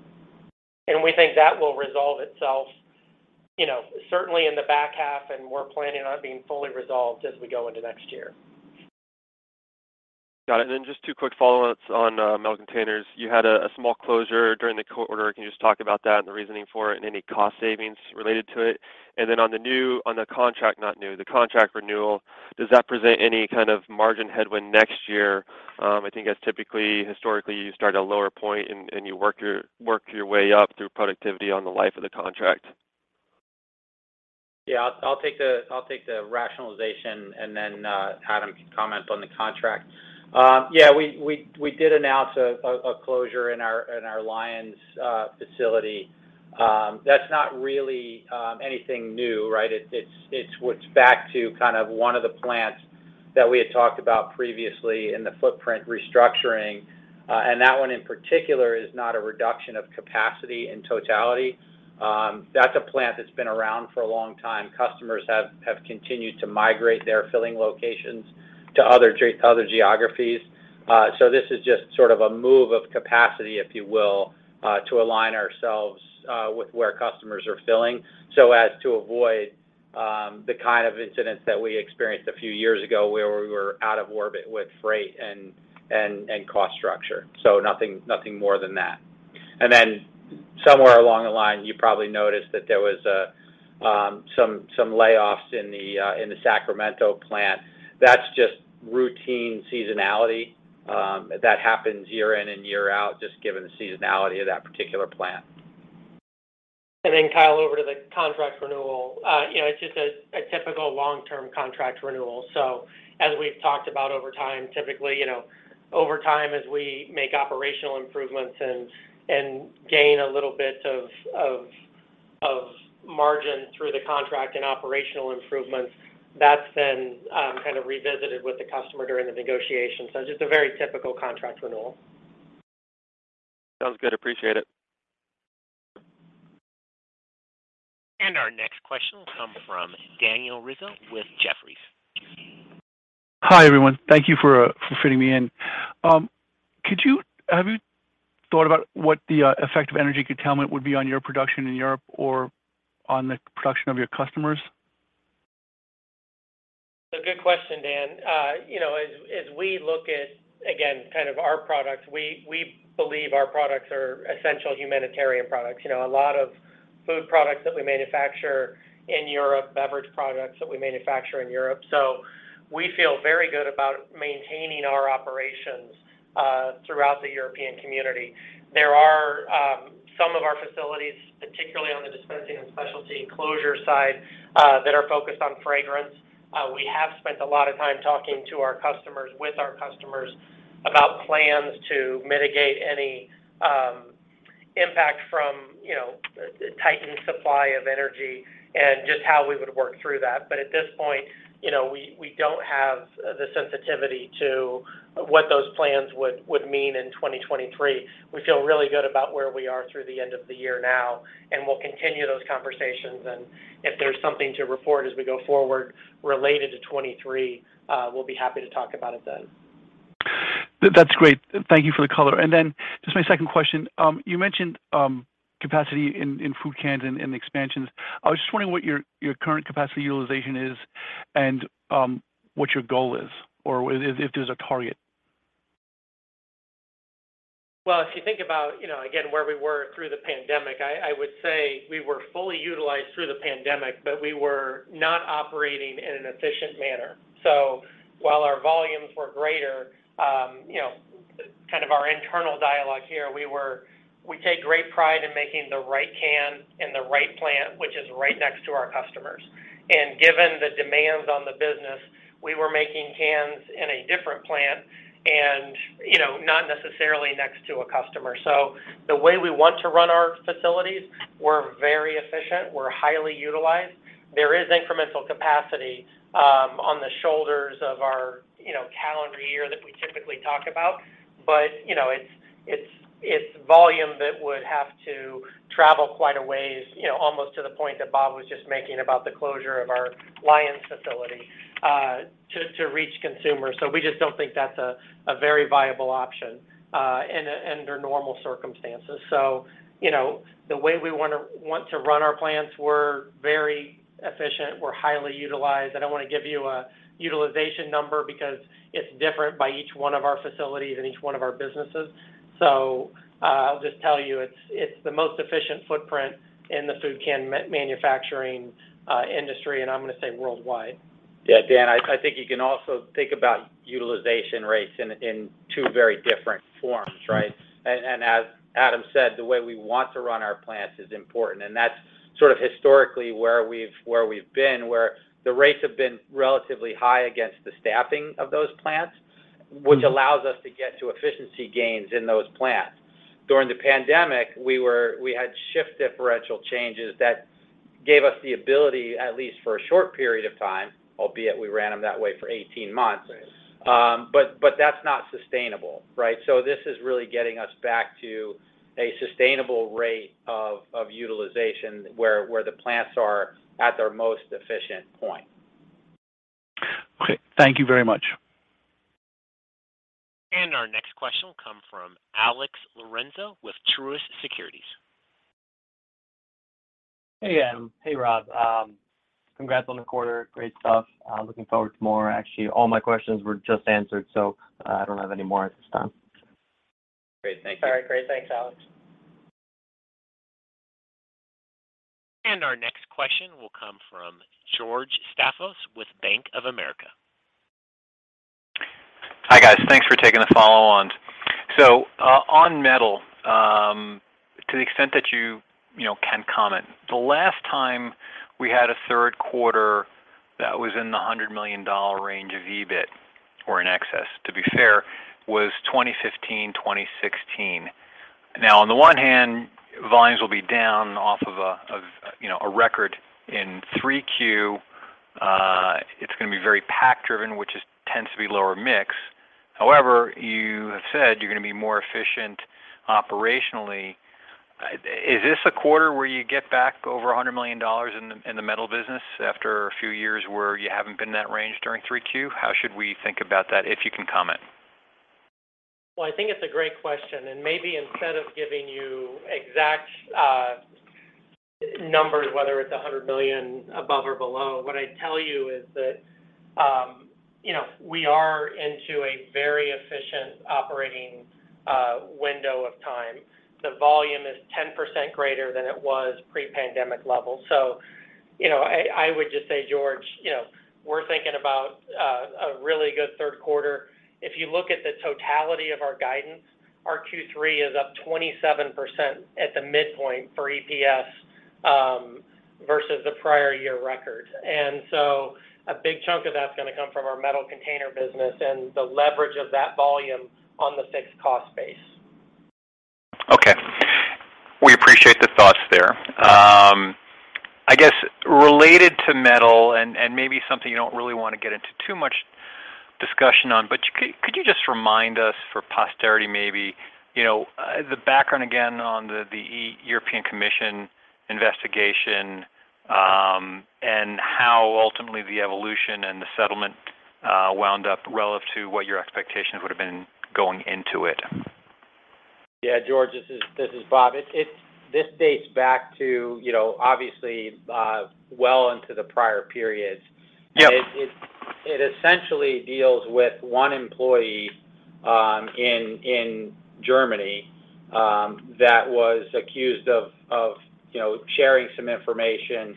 We think that will resolve itself, you know, certainly in the back half, and we're planning on being fully resolved as we go into next year. Got it. Then just two quick follow-ons on metal containers. You had a small closure during the quarter. Can you just talk about that and the reasoning for it and any cost savings related to it? Then on the contract renewal, does that present any kind of margin headwind next year? I think that's typically, historically, you start at a lower point and you work your way up through productivity on the life of the contract. I'll take the rationalization and then Adam can comment on the contract. We did announce a closure in our Lyons facility. That's not really anything new, right? It's back to kind of one of the plants that we had talked about previously in the footprint restructuring. That one in particular is not a reduction of capacity in totality. That's a plant that's been around for a long time. Customers have continued to migrate their filling locations to other geographies. This is just sort of a move of capacity, if you will, to align ourselves with where customers are filling so as to avoid the kind of incidents that we experienced a few years ago, where we were out of orbit with freight and cost structure. Nothing more than that. Then somewhere along the line, you probably noticed that there was some layoffs in the Sacramento plant. That's just routine seasonality that happens year in and year out, just given the seasonality of that particular plant. Kyle, over to the contract renewal. You know, it's just a typical long-term contract renewal. As we've talked about over time, typically, you know, over time, as we make operational improvements and gain a little bit of margin through the contract and operational improvements, that's been kind of revisited with the customer during the negotiation. It's just a very typical contract renewal. Sounds good. Appreciate it. Our next question will come from Daniel Rizzo with Jefferies. Hi, everyone. Thank you for fitting me in. Have you thought about what the effect of energy curtailment would be on your production in Europe or on the production of your customers? A good question, Dan. You know, as we look at, again, kind of our products, we believe our products are essential humanitarian products. You know, a lot of food products that we manufacture in Europe, beverage products that we manufacture in Europe. We feel very good about maintaining our operations throughout the European community. There are some of our facilities, particularly on the dispensing and specialty closures side, that are focused on fragrance. We have spent a lot of time talking to our customers, with our customers about plans to mitigate any impact from, you know, the tightened supply of energy and just how we would work through that. At this point, you know, we don't have the sensitivity to what those plans would mean in 2023. We feel really good about where we are through the end of the year now, and we'll continue those conversations. If there's something to report as we go forward related to 2023, we'll be happy to talk about it then. That's great. Thank you for the color. Just my second question. You mentioned capacity in food cans and expansions. I was just wondering what your current capacity utilization is and what your goal is or if there's a target. Well, if you think about, you know, again, where we were through the pandemic, I would say we were fully utilized through the pandemic, but we were not operating in an efficient manner. While our volumes were greater, you know, kind of our internal dialogue here, we take great pride in making the right can in the right plant, which is right next to our customers. Given the demands on the business, we were making cans in a different plant and, you know, not necessarily next to a customer. The way we want to run our facilities, we're very efficient. We're highly utilized. There is incremental capacity on the shoulders of our, you know, calendar year that we typically talk about. You know, it's volume that would have to travel quite a ways, you know, almost to the point that Bob was just making about the closure of our Lyons facility, to reach consumers. We just don't think that's a very viable option in under normal circumstances. You know, the way we want to run our plants, we're very efficient. We're highly utilized. I don't want to give you a utilization number because it's different by each one of our facilities and each one of our businesses. I'll just tell you, it's the most efficient footprint in the food can manufacturing industry, and I'm gonna say worldwide. Yeah. Dan, I think you can also think about utilization rates in two very different forms, right? As Adam said, the way we want to run our plants is important, and that's sort of historically where we've been, where the rates have been relatively high against the staffing of those plants, which allows us to get to efficiency gains in those plants. During the pandemic, we had shift differential changes that gave us the ability, at least for a short period of time, albeit we ran them that way for 18 months. Right. That's not sustainable, right? This is really getting us back to a sustainable rate of utilization where the plants are at their most efficient point. Okay. Thank you very much. Our next question will come from Alex Lorenzo with Truist Securities. Hey, Adam. Hey, Rob. Congrats on the quarter. Great stuff. Looking forward to more. Actually, all my questions were just answered, so I don't have any more at this time. Great. Thank you. All right. Great. Thanks, Alex. Our next question will come from George Staphos with Bank of America. Hi, guys. Thanks for taking the follow on. On metal, to the extent that you know, can comment. The last time we had a third quarter that was in the $100 million range of EBIT, or in excess, to be fair, was 2015, 2016. Now, on the one hand, volumes will be down off of a record in 3Q. It's gonna be very pack driven, which tends to be lower mix. However, you have said you're gonna be more efficient operationally. Is this a quarter where you get back over $100 million in the metal business after a few years where you haven't been in that range during 3Q? How should we think about that, if you can comment? Well, I think it's a great question, and maybe instead of giving you exact numbers, whether it's $100 million above or below, what I'd tell you is that, you know, we are into a very efficient operating window of time. The volume is 10% greater than it was pre-pandemic level. You know, I would just say, George, you know, we're thinking about a really good third quarter. If you look at the totality of our guidance, our Q3 is up 27% at the midpoint for EPS. Versus the prior year record. A big chunk of that's gonna come from our metal container business and the leverage of that volume on the fixed cost base. Okay. We appreciate the thoughts there. I guess related to metal and maybe something you don't really wanna get into too much discussion on, but could you just remind us for posterity maybe, you know, the background again on the European Commission investigation, and how ultimately the evolution and the settlement wound up relative to what your expectations would've been going into it? Yeah, George, this is Bob. This dates back to, you know, obviously, well into the prior periods. Yep. It essentially deals with one employee in Germany that was accused of you know sharing some information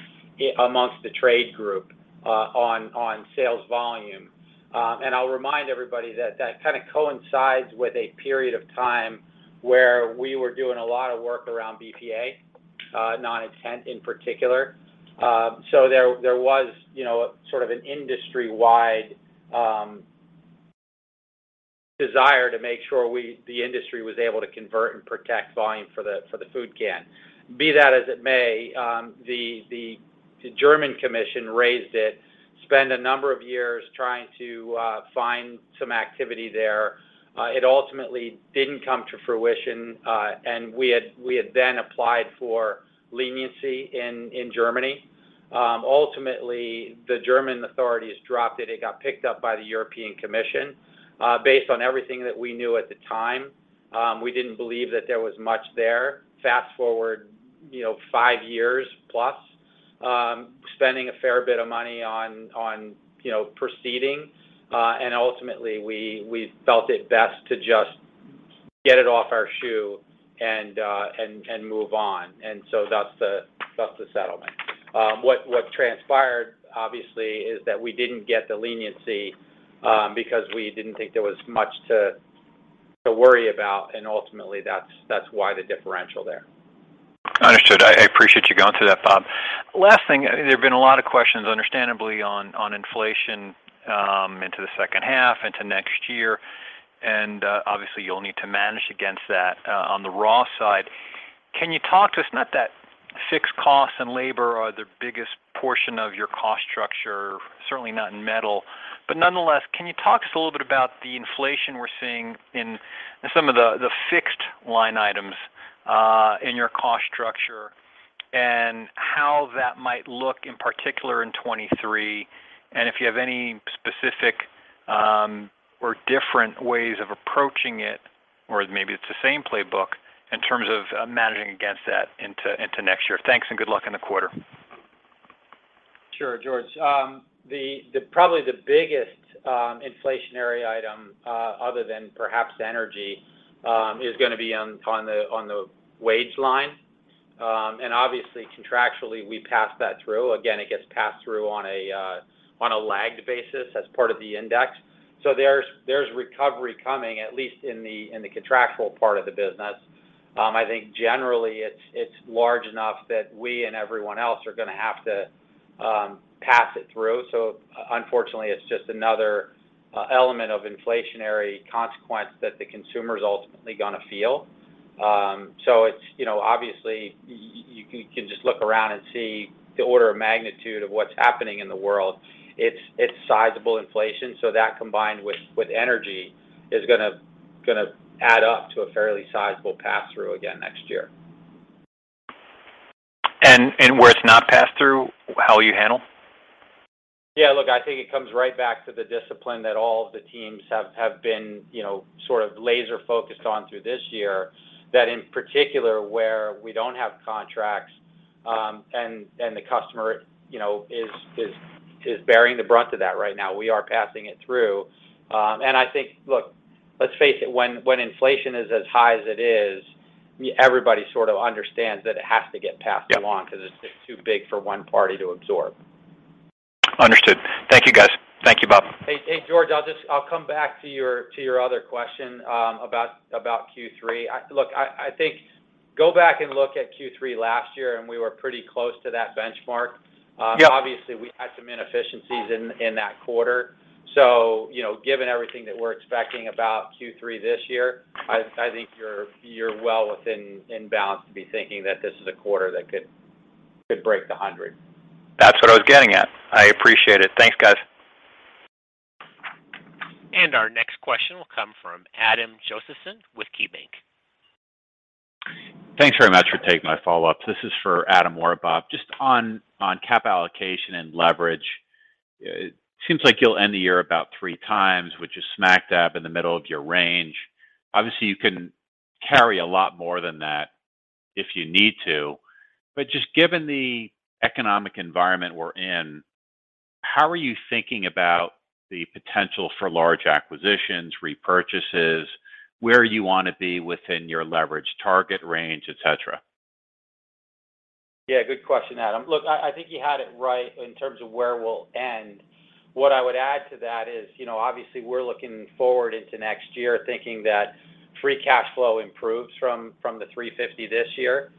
among the trade group on sales volume. I'll remind everybody that that kind of coincides with a period of time where we were doing a lot of work around BPA non-intent in particular. There was you know sort of an industry-wide desire to make sure the industry was able to convert and protect volume for the food can. Be that as it may, the German commission raised it, spent a number of years trying to find some activity there. It ultimately didn't come to fruition, and we had then applied for leniency in Germany. Ultimately, the German authorities dropped it. It got picked up by the European Commission. Based on everything that we knew at the time, we didn't believe that there was much there. Fast-forward, you know, five years plus, spending a fair bit of money on you know proceedings, and ultimately we felt it best to just get it off our plate and move on. That's the settlement. What transpired obviously is that we didn't get the leniency because we didn't think there was much to worry about. Ultimately that's why the differential there. Understood. I appreciate you going through that, Bob. Last thing, there have been a lot of questions understandably on inflation into the second half into next year, and obviously you'll need to manage against that on the raw side. Can you talk to us, not that fixed costs and labor are the biggest portion of your cost structure, certainly not in metal, but nonetheless, can you talk to us a little bit about the inflation we're seeing in some of the fixed line items in your cost structure and how that might look in particular in 2023, and if you have any specific or different ways of approaching it or maybe it's the same playbook in terms of managing against that into next year. Thanks and good luck in the quarter. Sure, George. Probably the biggest inflationary item, other than perhaps energy, is gonna be on the wage line. Obviously contractually, we pass that through. Again, it gets passed through on a lagged basis as part of the index. There's recovery coming, at least in the contractual part of the business. I think generally it's large enough that we and everyone else are gonna have to pass it through. Unfortunately, it's just another element of inflationary consequence that the consumer is ultimately gonna feel. It's, you know, obviously you can just look around and see the order of magnitude of what's happening in the world. It's sizable inflation, so that combined with energy is gonna add up to a fairly sizable pass-through again next year. Where it's not pass-through, how will you handle? Yeah, look, I think it comes right back to the discipline that all of the teams have been, you know, sort of laser focused on through this year. That in particular, where we don't have contracts, and the customer, you know, is bearing the brunt of that right now, we are passing it through. I think, look, let's face it, when inflation is as high as it is, everybody sort of understands that it has to get passed along. Yeah 'Cause it's too big for one party to absorb. Understood. Thank you, guys. Thank you, Bob. Hey, George, I'll come back to your other question about Q3. Look, I think go back and look at Q3 last year, and we were pretty close to that benchmark. Yeah Obviously we had some inefficiencies in that quarter. You know, given everything that we're expecting about Q3 this year, I think you're well within balance to be thinking that this is a quarter that could break the hundred. That's what I was getting at. I appreciate it. Thanks, guys. Our next question will come from Adam Josephson with KeyBanc. Thanks very much for taking my follow-up. This is for Adam or Bob. Just on cap allocation and leverage, it seems like you'll end the year about three times, which is smack dab in the middle of your range. Obviously, you can carry a lot more than that if you need to. Just given the economic environment we're in, how are you thinking about the potential for large acquisitions, repurchases, where you wanna be within your leverage target range, et cetera? Yeah, good question, Adam. Look, I think you had it right in terms of where we'll end. What I would add to that is, you know, obviously we're looking forward into next year thinking that free cash flow improves from the $350 million this year.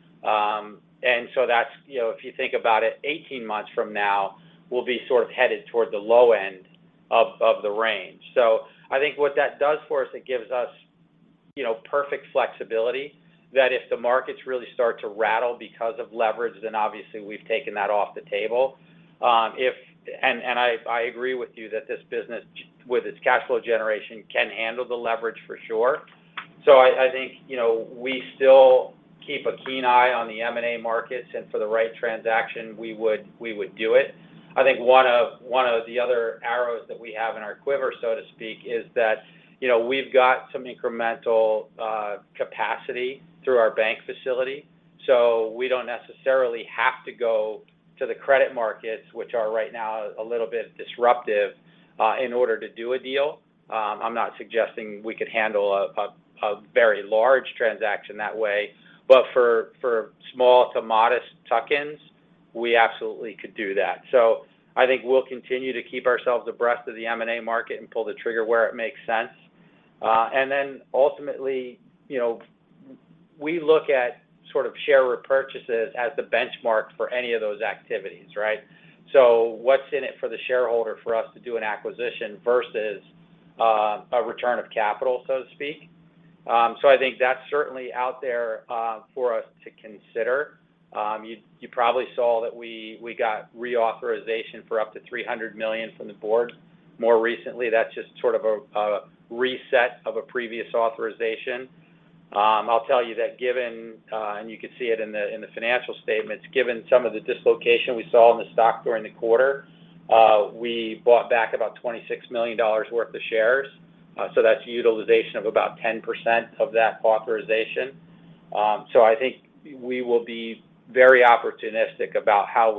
And so that's, you know, if you think about it, 18 months from now, we'll be sort of headed toward the low end of the range. So I think what that does for us, it gives us, you know, perfect flexibility that if the markets really start to rattle because of leverage, then obviously we've taken that off the table. I agree with you that this business, with its cash flow generation, can handle the leverage for sure. I think, you know, we still keep a keen eye on the M&A markets, and for the right transaction, we would do it. I think one of the other arrows that we have in our quiver, so to speak, is that, you know, we've got some incremental capacity through our bank facility, so we don't necessarily have to go to the credit markets, which are right now a little bit disruptive in order to do a deal. I'm not suggesting we could handle a very large transaction that way, but for small to modest tuck-ins, we absolutely could do that. I think we'll continue to keep ourselves abreast of the M&A market and pull the trigger where it makes sense. Ultimately, you know, we look at sort of share repurchases as the benchmark for any of those activities, right? What's in it for the shareholder for us to do an acquisition versus a return of capital, so to speak. I think that's certainly out there for us to consider. You probably saw that we got reauthorization for up to $300 million from the board more recently. That's just sort of a reset of a previous authorization. I'll tell you that, and you could see it in the financial statements, given some of the dislocation we saw in the stock during the quarter, we bought back about $26 million worth of shares. That's utilization of about 10% of that authorization. I think we will be very opportunistic about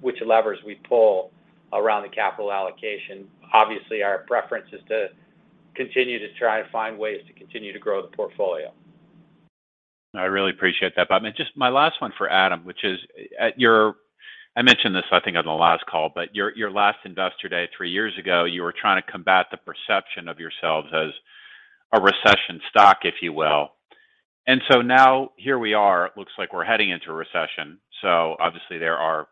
which levers we pull around the capital allocation. Obviously, our preference is to continue to try to find ways to continue to grow the portfolio. I really appreciate that. Just my last one for Adam, which is, I mentioned this, I think, on the last call, but your last Investor Day three years ago, you were trying to combat the perception of yourselves as a recession stock, if you will. Now here we are. It looks like we're heading into a recession. Obviously there are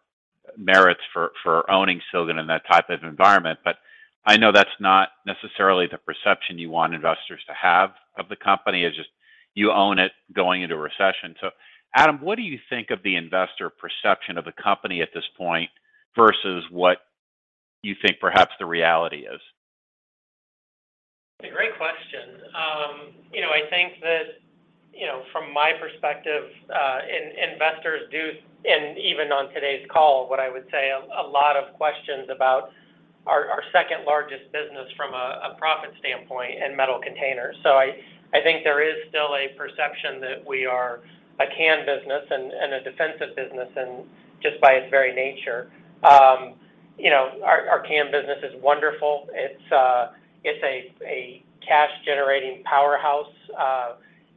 merits for owning Silgan in that type of environment. I know that's not necessarily the perception you want investors to have of the company. It's just you own it going into a recession. Adam, what do you think of the investor perception of the company at this point versus what you think perhaps the reality is? Great question. You know, I think that, you know, from my perspective, investors do, and even on today's call, what I would say a lot of questions about our second-largest business from a profit standpoint and metal containers. I think there is still a perception that we are a can business and a defensive business, and just by its very nature. You know, our can business is wonderful. It's a cash-generating powerhouse,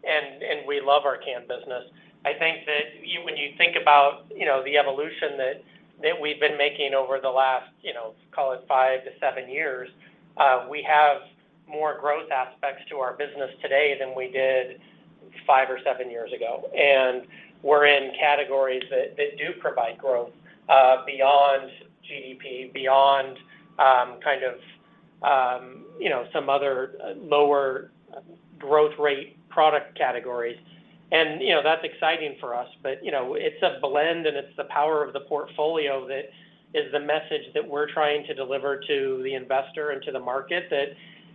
and we love our can business. I think that when you think about, you know, the evolution that we've been making over the last, you know, call it five to seven years, we have more growth aspects to our business today than we did five or seven years ago. We're in categories that do provide growth beyond GDP, beyond kind of you know some other lower growth rate product categories. You know, that's exciting for us. You know, it's a blend and it's the power of the portfolio that is the message that we're trying to deliver to the investor and to the market, that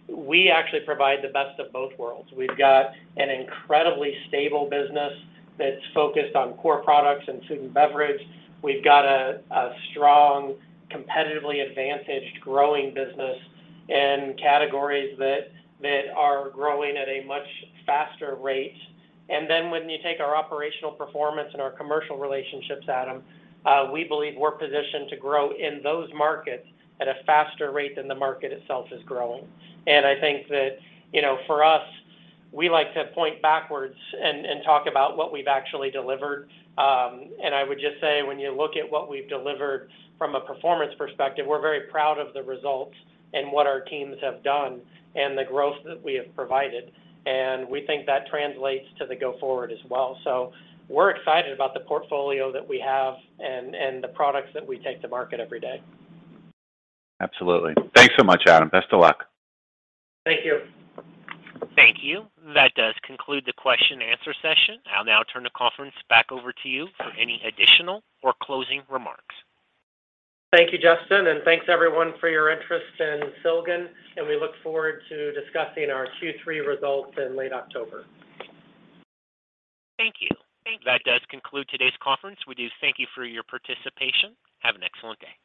we actually provide the best of both worlds. We've got an incredibly stable business that's focused on core products and food and beverage. We've got a strong, competitively advantaged growing business in categories that are growing at a much faster rate. Then when you take our operational performance and our commercial relationships, Adam, we believe we're positioned to grow in those markets at a faster rate than the market itself is growing. I think that, you know, for us, we like to point backwards and talk about what we've actually delivered. I would just say, when you look at what we've delivered from a performance perspective, we're very proud of the results and what our teams have done and the growth that we have provided, and we think that translates to the go forward as well. We're excited about the portfolio that we have and the products that we take to market every day. Absolutely. Thanks so much, Adam. Best of luck. Thank you. Thank you. That does conclude the question and answer session. I'll now turn the conference back over to you for any additional or closing remarks. Thank you, Justin, and thanks everyone for your interest in Silgan, and we look forward to discussing our Q3 results in late October. Thank you. That does conclude today's conference. We do thank you for your participation. Have an excellent day.